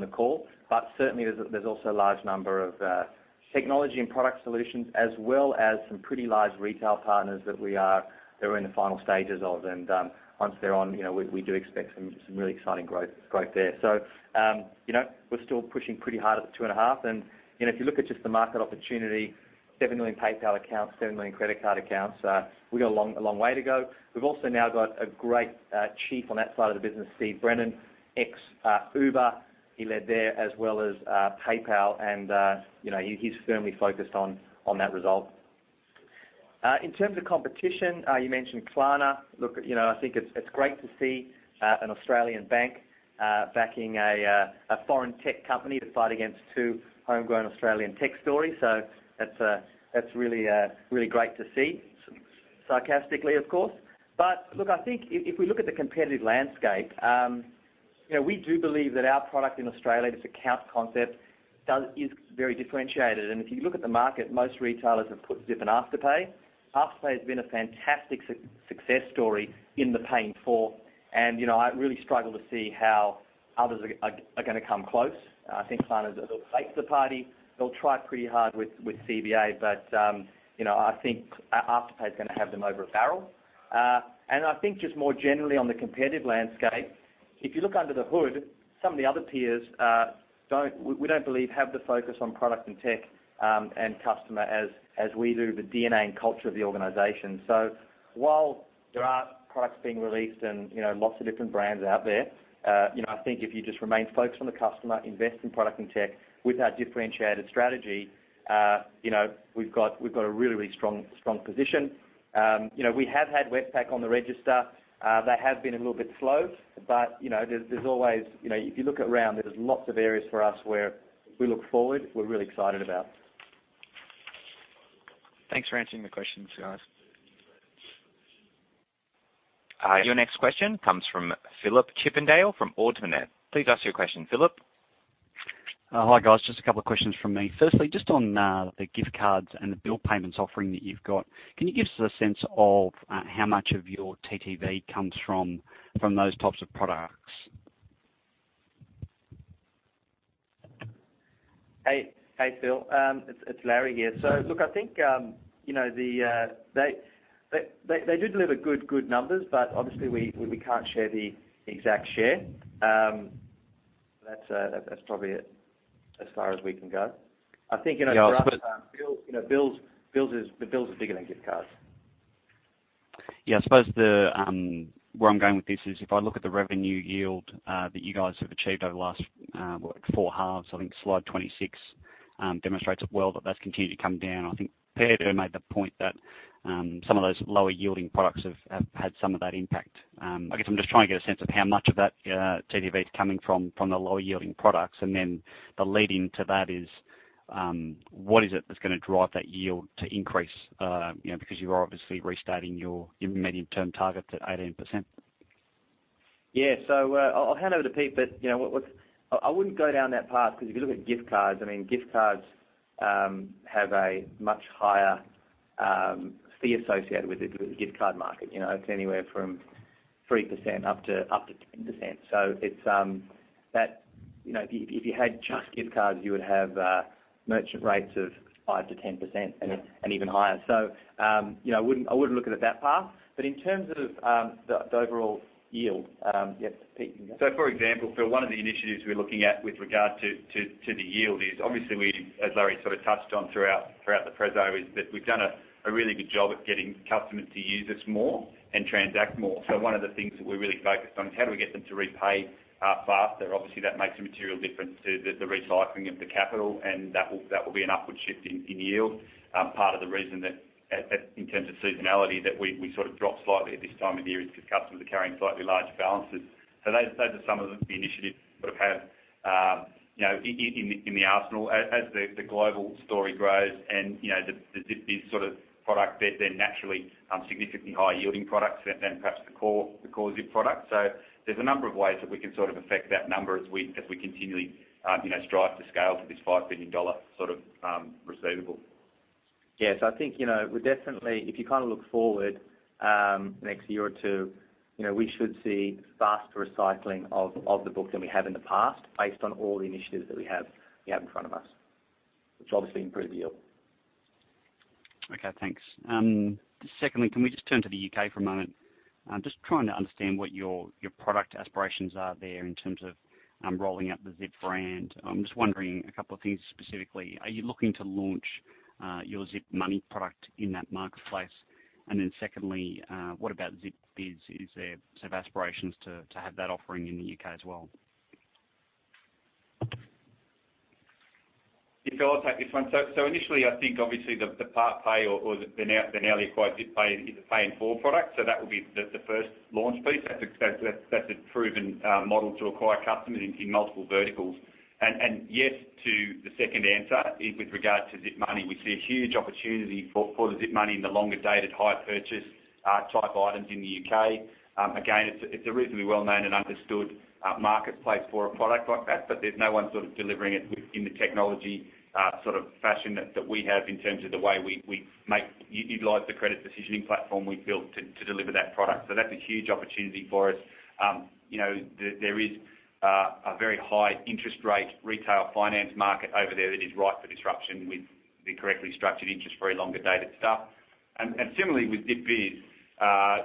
the call. But certainly, there's also a large number of technology and product solutions, as well as some pretty large retail partners that we are. They're in the final stages of, and once they're on, you know, we do expect some really exciting growth there. So, you know, we're still pushing pretty hard at the two and a half, and, you know, if you look at just the market opportunity, seven million PayPal accounts, seven million credit card accounts, we've got a long way to go. We've also now got a great chief on that side of the business, Steve Brennan, ex Uber. He led there as well as PayPal, and, you know, he's firmly focused on that result. In terms of competition, you mentioned Klarna. Look, you know, I think it's great to see an Australian bank backing a foreign tech company to fight against two homegrown Australian tech stories. So that's really great to see, sarcastically, of course. But look, I think if we look at the competitive landscape, you know, we do believe that our product in Australia, this account concept, is very differentiated. And if you look at the market, most retailers have put Zip and Afterpay. Afterpay has been a fantastic success story in the pay in four, and, you know, I really struggle to see how others are gonna come close. I think Klarna's, they're late to the party. They'll try pretty hard with CBA, but, you know, I think Afterpay is gonna have them over a barrel. And I think just more generally on the competitive landscape, if you look under the hood, some of the other peers don't have the focus on product and tech and customer as we do; the DNA and culture of the organization. So while there are products being released and, you know, lots of different brands out there, you know, I think if you just remain focused on the customer, invest in product and tech with our differentiated strategy, you know, we've got a really strong position. You know, we have had Westpac on the register. They have been a little bit slow, but, you know, there's always. You know, if you look around, there's lots of areas for us where we look forward; we're really excited about. Thanks for answering the questions, guys. Your next question comes from Philip Chippendale, from Ord Minnett. Please ask your question, Philip. Hi, guys. Just a couple of questions from me. Firstly, just on the gift cards and the bill payments offering that you've got, can you give us a sense of how much of your TTV comes from those types of products? Hey, hey, Phil. It's Larry here. So look, I think you know, they do deliver good numbers, but obviously, we can't share the exact share. That's probably as far as we can go. I think, you know, for us- Yeah, I suppose-... bills, you know, the bills are bigger than gift cards. Yeah, I suppose where I'm going with this is, if I look at the revenue yield that you guys have achieved over the last what, four halves, I think slide 26 demonstrates it well that that's continued to come down. I think Peter made the point that some of those lower-yielding products have had some of that impact. I guess I'm just trying to get a sense of how much of that TTV is coming from the lower-yielding products, and then the lead-in to that is what is it that's gonna drive that yield to increase? You know, because you are obviously restarting your medium-term target to 18%. Yeah. So, I'll hand over to Pete, but you know, I wouldn't go down that path because if you look at gift cards, I mean, gift cards have a much higher fee associated with it, with the gift card market. You know, it's anywhere from 3% up to 10%. So it's that. You know, if you had just gift cards, you would have merchant rates of 5%-10%. Yeah... and even higher. So, you know, I wouldn't look it at that path. But in terms of the overall yield, yeah, Pete, you go. For example, Phil, one of the initiatives we're looking at with regard to the yield is, obviously, we as Larry sort of touched on throughout the preso, is that we've done a really good job at getting customers to use us more and transact more. One of the things that we're really focused on is how do we get them to repay faster? Obviously, that makes a material difference to the recycling of the capital, and that will be an upward shift in yield. Part of the reason that in terms of seasonality, that we sort of drop slightly at this time of the year is because customers are carrying slightly larger balances. Those are some of the initiatives sort of have, you know, in the arsenal. As the global story grows and, you know, the Zip Biz sort of product, they're naturally significantly higher-yielding products than perhaps the core Zip product. So there's a number of ways that we can sort of affect that number as we continually, you know, strive to scale to this 5 billion dollar sort of receivable. Yes. I think, you know, we're definitely. If you kind of look forward, the next year or two, you know, we should see faster recycling of the book than we have in the past, based on all the initiatives that we have in front of us, which obviously improve the yield. Okay, thanks. Secondly, can we just turn to the U.K. for a moment? I'm just trying to understand what your product aspirations are there in terms of rolling out the Zip brand. I'm just wondering a couple of things specifically. Are you looking to launch your Zip Money product in that marketplace? And then secondly, what about Zip Biz? Is there sort of aspirations to have that offering in the U.K. as well? Yeah, Phil, I'll take this one. So initially, I think obviously the PartPay or the now acquired Zip Pay is a pay-in-full product, so that would be the first launch piece. That's a proven model to acquire customers in multiple verticals. And yes to the second answer, with regard to Zip Money. We see a huge opportunity for the Zip Money in the longer-dated, higher-purchase type items in the U.K. Again, it's a reasonably well-known and understood marketplace for a product like that, but there's no one sort of delivering it within the technology sort of fashion that we have in terms of the way we utilize the credit decisioning platform we've built to deliver that product. So that's a huge opportunity for us. You know, there is a very high interest rate, retail finance market over there that is ripe for disruption, with the correctly structured interest-free, longer-dated stuff. And similarly with Zip Biz,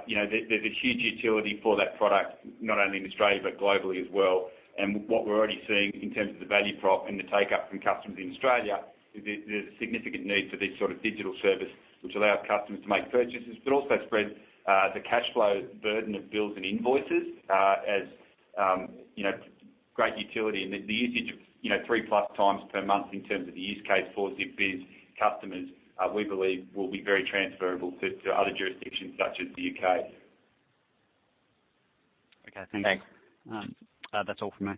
you know, there's a huge utility for that product, not only in Australia but globally as well. And what we're already seeing in terms of the value prop and the take-up from customers in Australia, there's a significant need for this sort of digital service, which allows customers to make purchases, but also spread the cash flow burden of bills and invoices, as you know, great utility. And the usage of, you know, three-plus times per month in terms of the use case for Zip Biz customers, we believe will be very transferable to other jurisdictions, such as the UK. Okay, thank you. Thanks. That's all from me.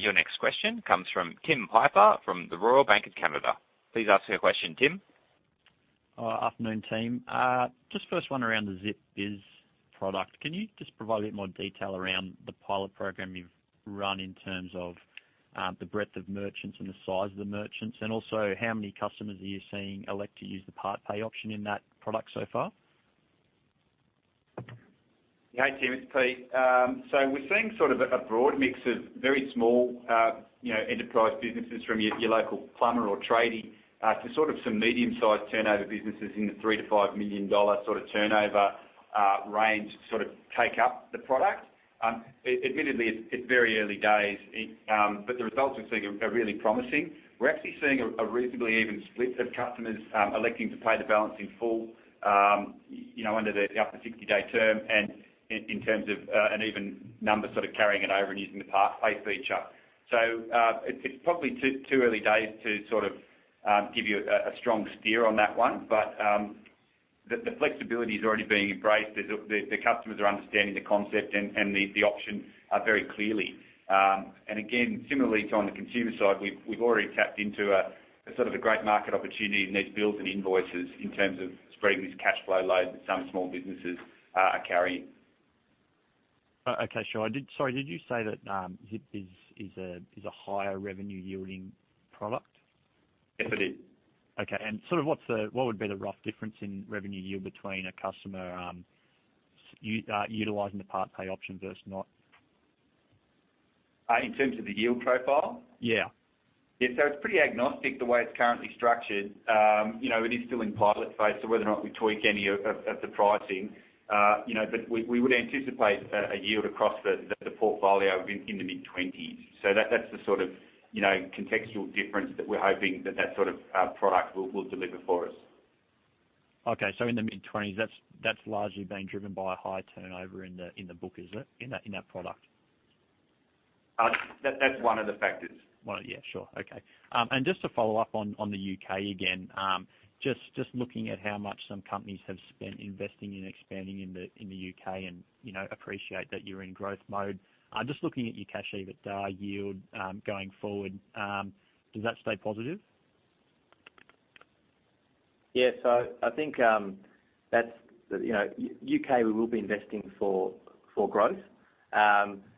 Your next question comes from Tim Piper, from the Royal Bank of Canada. Please ask your question, Tim. Afternoon, team. Just first one around the Zip Biz product. Can you just provide a bit more detail around the pilot program you've run in terms of the breadth of merchants and the size of the merchants? And also, how many customers are you seeing elect to use the PartPay option in that product so far? Hey, Tim, it's Pete. So we're seeing sort of a broad mix of very small, you know, enterprise businesses from your local plumber or tradie to sort of some medium-sized turnover businesses in the 3 million-5 million dollar sort of turnover range, sort of take up the product. Admittedly, it's very early days, but the results we're seeing are really promising. We're actually seeing a reasonably even split of customers electing to pay the balance in full, you know, under the up to 60-day term, and in terms of an even number sort of carrying it over and using the PartPay feature. It's probably too early days to sort of give you a strong steer on that one, but the flexibility is already being embraced. The customers are understanding the concept and the option very clearly, and again, similarly to on the consumer side, we've already tapped into a sort of great market opportunity in these bills and invoices in terms of spreading this cash flow load that some small businesses are carrying. Okay, sure. Sorry, did you say that Zip Biz is a higher revenue-yielding product? Yes, it is. Okay. And sort of what's the, what would be the rough difference in revenue yield between a customer utilizing the PartPay option versus not? In terms of the yield profile? Yeah. Yeah. So it's pretty agnostic, the way it's currently structured. You know, it is still in pilot phase, so whether or not we tweak any of the pricing, you know, but we would anticipate a yield across the portfolio in the mid-twenties. So that's the sort of contextual difference that we're hoping that that sort of product will deliver for us.... Okay, so in the mid-twenties, that's largely being driven by a high turnover in the book, is it? In that product. That's one of the factors. One, yeah, sure. Okay, and just to follow up on the U.K. again, just looking at how much some companies have spent investing in expanding in the U.K. and, you know, appreciate that you're in growth mode. Just looking at your cash EBITDA yield, going forward, does that stay positive? Yeah, so I think, that's, you know, U.K., we will be investing for growth.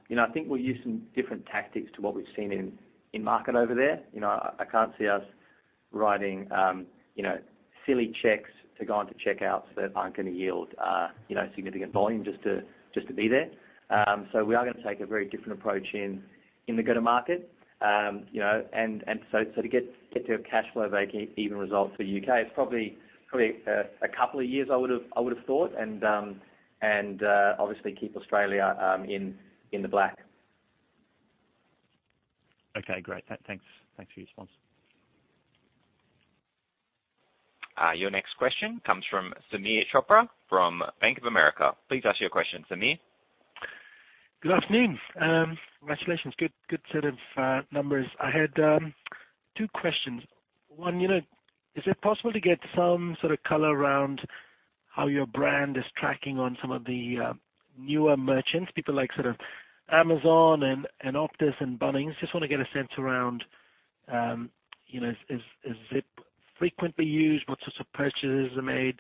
You know, I think we'll use some different tactics to what we've seen in market over there. You know, I can't see us writing, you know, silly checks to go on to checkouts that aren't gonna yield, you know, significant volume just to be there. So we are gonna take a very different approach in the go-to-market. You know, and so to get to a cash flow breakeven result for U.K., it's probably a couple of years I would have thought, and obviously keep Australia in the black. Okay, great. Thanks for your response. Your next question comes from Sameer Chopra from Bank of America. Please ask your question, Samir. Good afternoon. Congratulations. Good, good set of numbers. I had two questions. One, you know, is it possible to get some sort of color around how your brand is tracking on some of the newer merchants, people like sort of Amazon and, and Optus and Bunnings? Just wanna get a sense around, you know, is Zip frequently used? What sorts of purchases are made?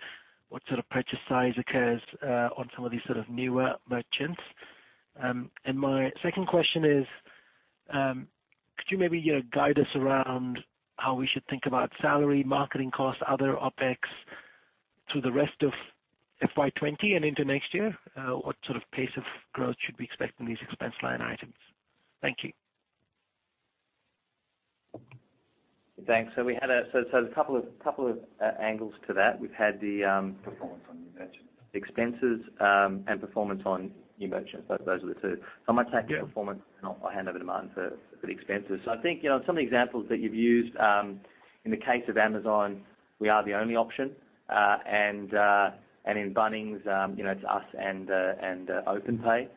What sort of purchase size occurs on some of these sort of newer merchants? And my second question is, could you maybe, you know, guide us around how we should think about salary, marketing costs, other OpEx through the rest of FY 2020 and into next year? What sort of pace of growth should we expect in these expense line items? Thank you. Thanks. So we had a couple of angles to that. We've had the Performance on new merchants. Expenses, and performance on new merchants. So those are the two. Yeah. So I might take the performance, and I'll hand over to Martin for the expenses. So I think, you know, some of the examples that you've used, in the case of Amazon, we are the only option, and in Bunnings, you know, it's us and Openpay.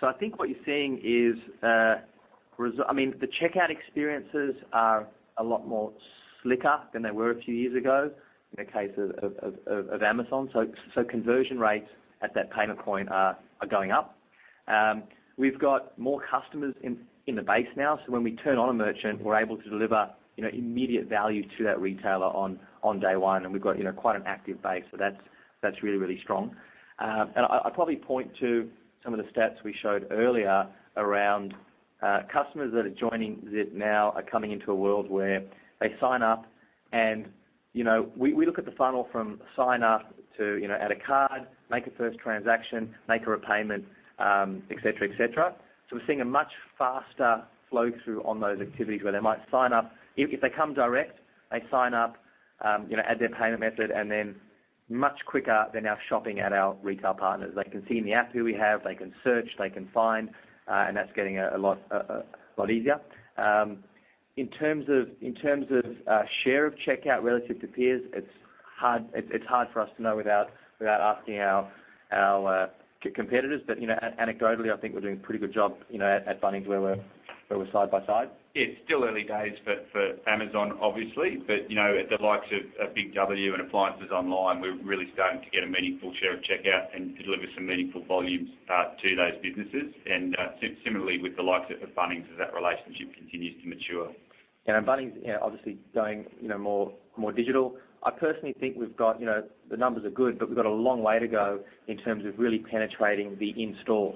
So I think what you're seeing is, I mean, the checkout experiences are a lot more slicker than they were a few years ago, in the case of Amazon. So conversion rates at that payment point are going up. We've got more customers in the base now, so when we turn on a merchant, we're able to deliver, you know, immediate value to that retailer on day one, and we've got, you know, quite an active base. So that's really strong. And I'd probably point to some of the stats we showed earlier around customers that are joining Zip now are coming into a world where they sign up and, you know, we look at the funnel from sign up to, you know, add a card, make a first transaction, make a repayment, et cetera, et cetera. So we're seeing a much faster flow through on those activities where they might sign up. If they come direct, they sign up, you know, add their payment method, and then much quicker than our shopping at our retail partners. They can see in the app who we have, they can search, they can find, and that's getting a lot easier. In terms of share of checkout relative to peers, it's hard for us to know without asking our competitors. But you know, anecdotally, I think we're doing a pretty good job, you know, at Bunnings, where we're side by side. It's still early days for Amazon, obviously, but you know, at the likes of Big W and Appliances Online, we're really starting to get a meaningful share of checkout and to deliver some meaningful volumes to those businesses, and similarly with the likes of Bunnings, as that relationship continues to mature. Bunnings, you know, obviously going, you know, more digital. I personally think we've got, you know, the numbers are good, but we've got a long way to go in terms of really penetrating the in-store.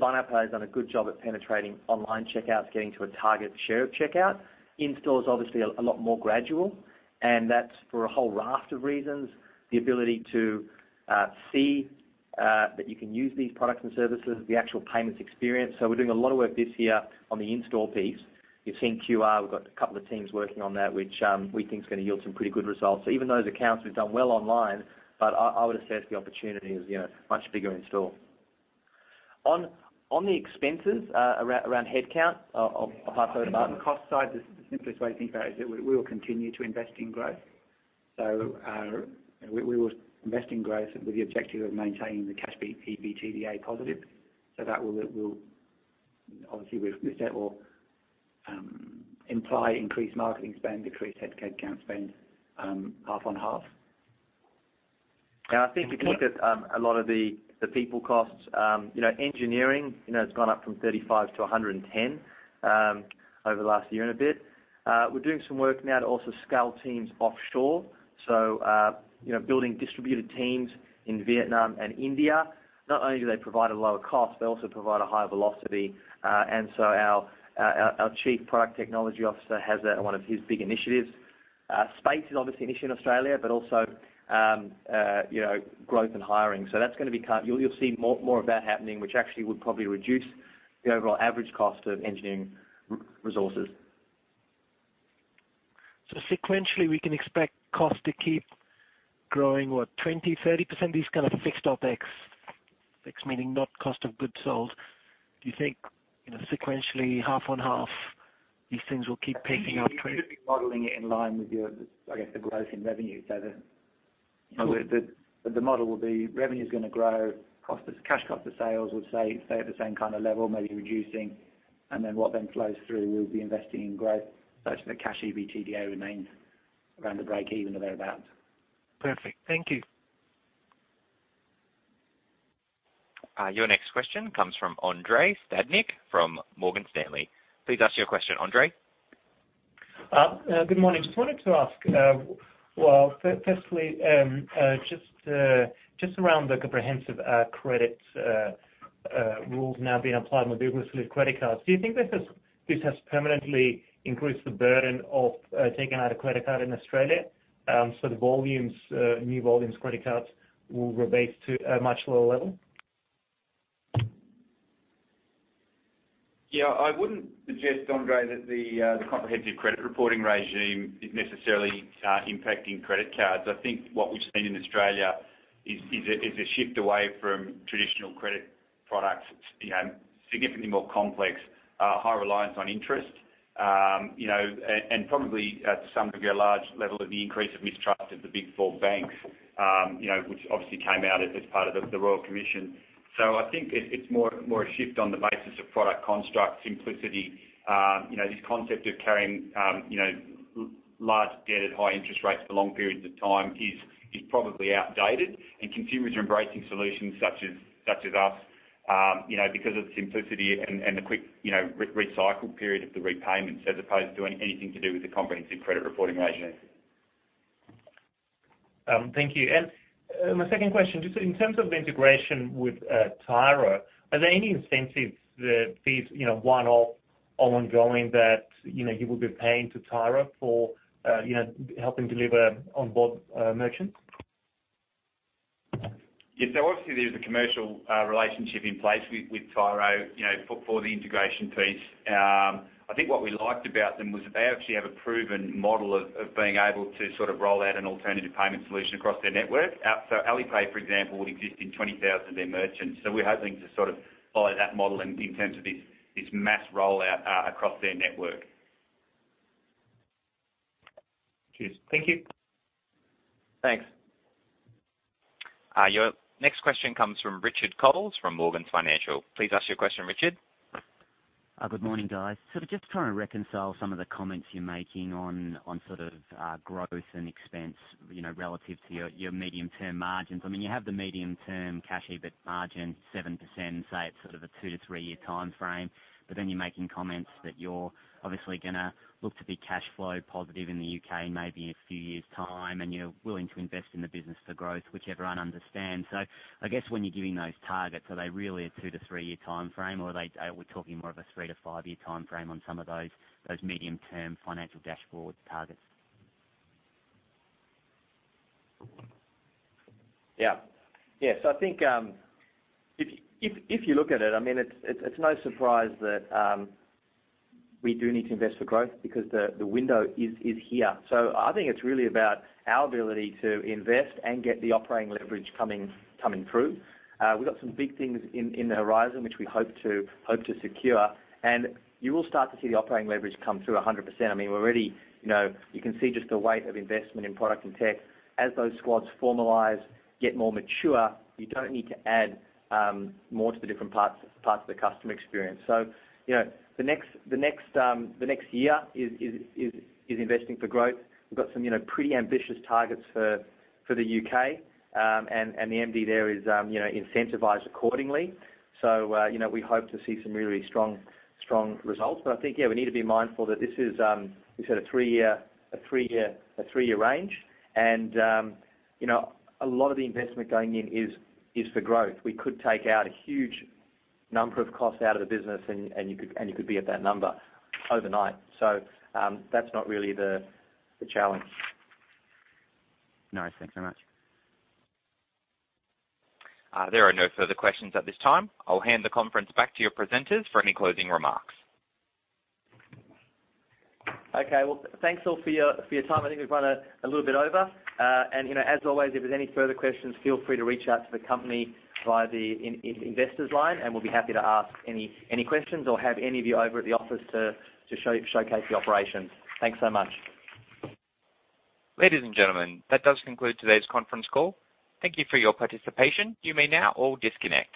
Buy Now, Pay Later has done a good job at penetrating online checkouts, getting to a target share of checkout. In-store is obviously a lot more gradual, and that's for a whole raft of reasons. The ability to see that you can use these products and services, the actual payments experience. We're doing a lot of work this year on the in-store piece. You've seen QR. We've got a couple of teams working on that, which we think is gonna yield some pretty good results. Even those accounts, we've done well online, but I would assess the opportunity as, you know, much bigger in store. On the expenses around headcount, I'll hand over to Martin. Cost side, the simplest way to think about it is that we will continue to invest in growth. So, we will invest in growth with the objective of maintaining the cash EBITDA positive. So that will obviously imply increased marketing spend, decreased headcount spend, half on half. And I think if you look at a lot of the people costs, you know, engineering, you know, it's gone up from 35-110 over the last year and a bit. We're doing some work now to also scale teams offshore. So, you know, building distributed teams in Vietnam and India, not only do they provide a lower cost, they also provide a higher velocity. And so our Chief Product Technology Officer has that in one of his big initiatives. Space is obviously an issue in Australia, but also, you know, growth and hiring. So that's gonna be kind of. You'll see more of that happening, which actually would probably reduce the overall average cost of engineering resources. So, sequentially, we can expect costs to keep growing, what? 20%-30%, these kind of fixed OpEx? Meaning not cost of goods sold. Do you think, you know, sequentially, half on half, these things will keep picking up trade? Modeling it in line with your, I guess, the growth in revenue, so the model will be revenue is going to grow, cash cost of sales will stay at the same kind of level, maybe reducing, and then what flows through, we'll be investing in growth, so the cash EBITDA remains around the break-even or thereabout. Perfect. Thank you. Your next question comes from Andrei Stadnik from Morgan Stanley. Please ask your question, Andrei. Good morning. Just wanted to ask, firstly, just around the comprehensive credit rules now being applied more vigorously with credit cards. Do you think this has permanently increased the burden of taking out a credit card in Australia? So the volumes, new volumes, credit cards will remain at a much lower level? Yeah, I wouldn't suggest, Andrei, that the Comprehensive Credit Reporting regime is necessarily impacting credit cards. I think what we've seen in Australia is a shift away from traditional credit products, you know, significantly more complex, high reliance on interest. You know, and probably to some degree, a large level of the increase of mistrust of the Big Four banks, you know, which obviously came out as part of the Royal Commission. So I think it's more a shift on the basis of product construct, simplicity. You know, this concept of carrying, you know, large debt at high interest rates for long periods of time is probably outdated, and consumers are embracing solutions such as us, you know, because of the simplicity and the quick, you know, recycle period of the repayments, as opposed to anything to do with the Comprehensive Credit Reporting regime. Thank you. My second question, just in terms of the integration with Tyro, are there any incentive fees, you know, one-off or ongoing that, you know, you will be paying to Tyro for, you know, helping deliver on board merchants? Yeah. So obviously, there's a commercial relationship in place with Tyro, you know, for the integration piece. I think what we liked about them was they actually have a proven model of being able to sort of roll out an alternative payment solution across their network. So Alipay, for example, would exist in 20,000 of their merchants. So we're hoping to sort of follow that model in terms of this mass rollout across their network. Cheers. Thank you. Thanks. Your next question comes from Richard Coles from Morgans Financial. Please ask your question, Richard. Good morning, guys. So just trying to reconcile some of the comments you're making on sort of growth and expense, you know, relative to your medium-term margins. I mean, you have the medium-term cash EBIT margin, 7%, say it's sort of a two to three-year timeframe, but then you're making comments that you're obviously gonna look to be cash flow positive in the U.K. in maybe a few years' time, and you're willing to invest in the business for growth, which everyone understands. So I guess when you're giving those targets, are they really a two to three-year timeframe, or are they, we're talking more of a three to five-year timeframe on some of those medium-term financial dashboard targets? Yeah. Yeah, so I think if you look at it, I mean, it's no surprise that we do need to invest for growth because the window is here. So I think it's really about our ability to invest and get the operating leverage coming through. We've got some big things in the horizon, which we hope to secure, and you will start to see the operating leverage come through 100%. I mean, we're already, you know, you can see just the weight of investment in product and tech. As those squads formalize, get more mature, you don't need to add more to the different parts of the customer experience. So, you know, the next year is investing for growth. We've got some, you know, pretty ambitious targets for the UK, and the MD there is, you know, incentivized accordingly. So, you know, we hope to see some really strong results. But I think, yeah, we need to be mindful that this is, we said a three-year range, and, you know, a lot of the investment going in is for growth. We could take out a huge number of costs out of the business, and you could be at that number overnight. So, that's not really the challenge. Nice. Thanks so much. There are no further questions at this time. I'll hand the conference back to your presenters for any closing remarks. Okay, well, thanks all for your time. I think we've run a little bit over. You know, as always, if there's any further questions, feel free to reach out to the company via the investors line, and we'll be happy to ask any questions or have any of you over at the office to showcase the operations. Thanks so much. Ladies and gentlemen, that does conclude today's conference call. Thank you for your participation. You may now all disconnect.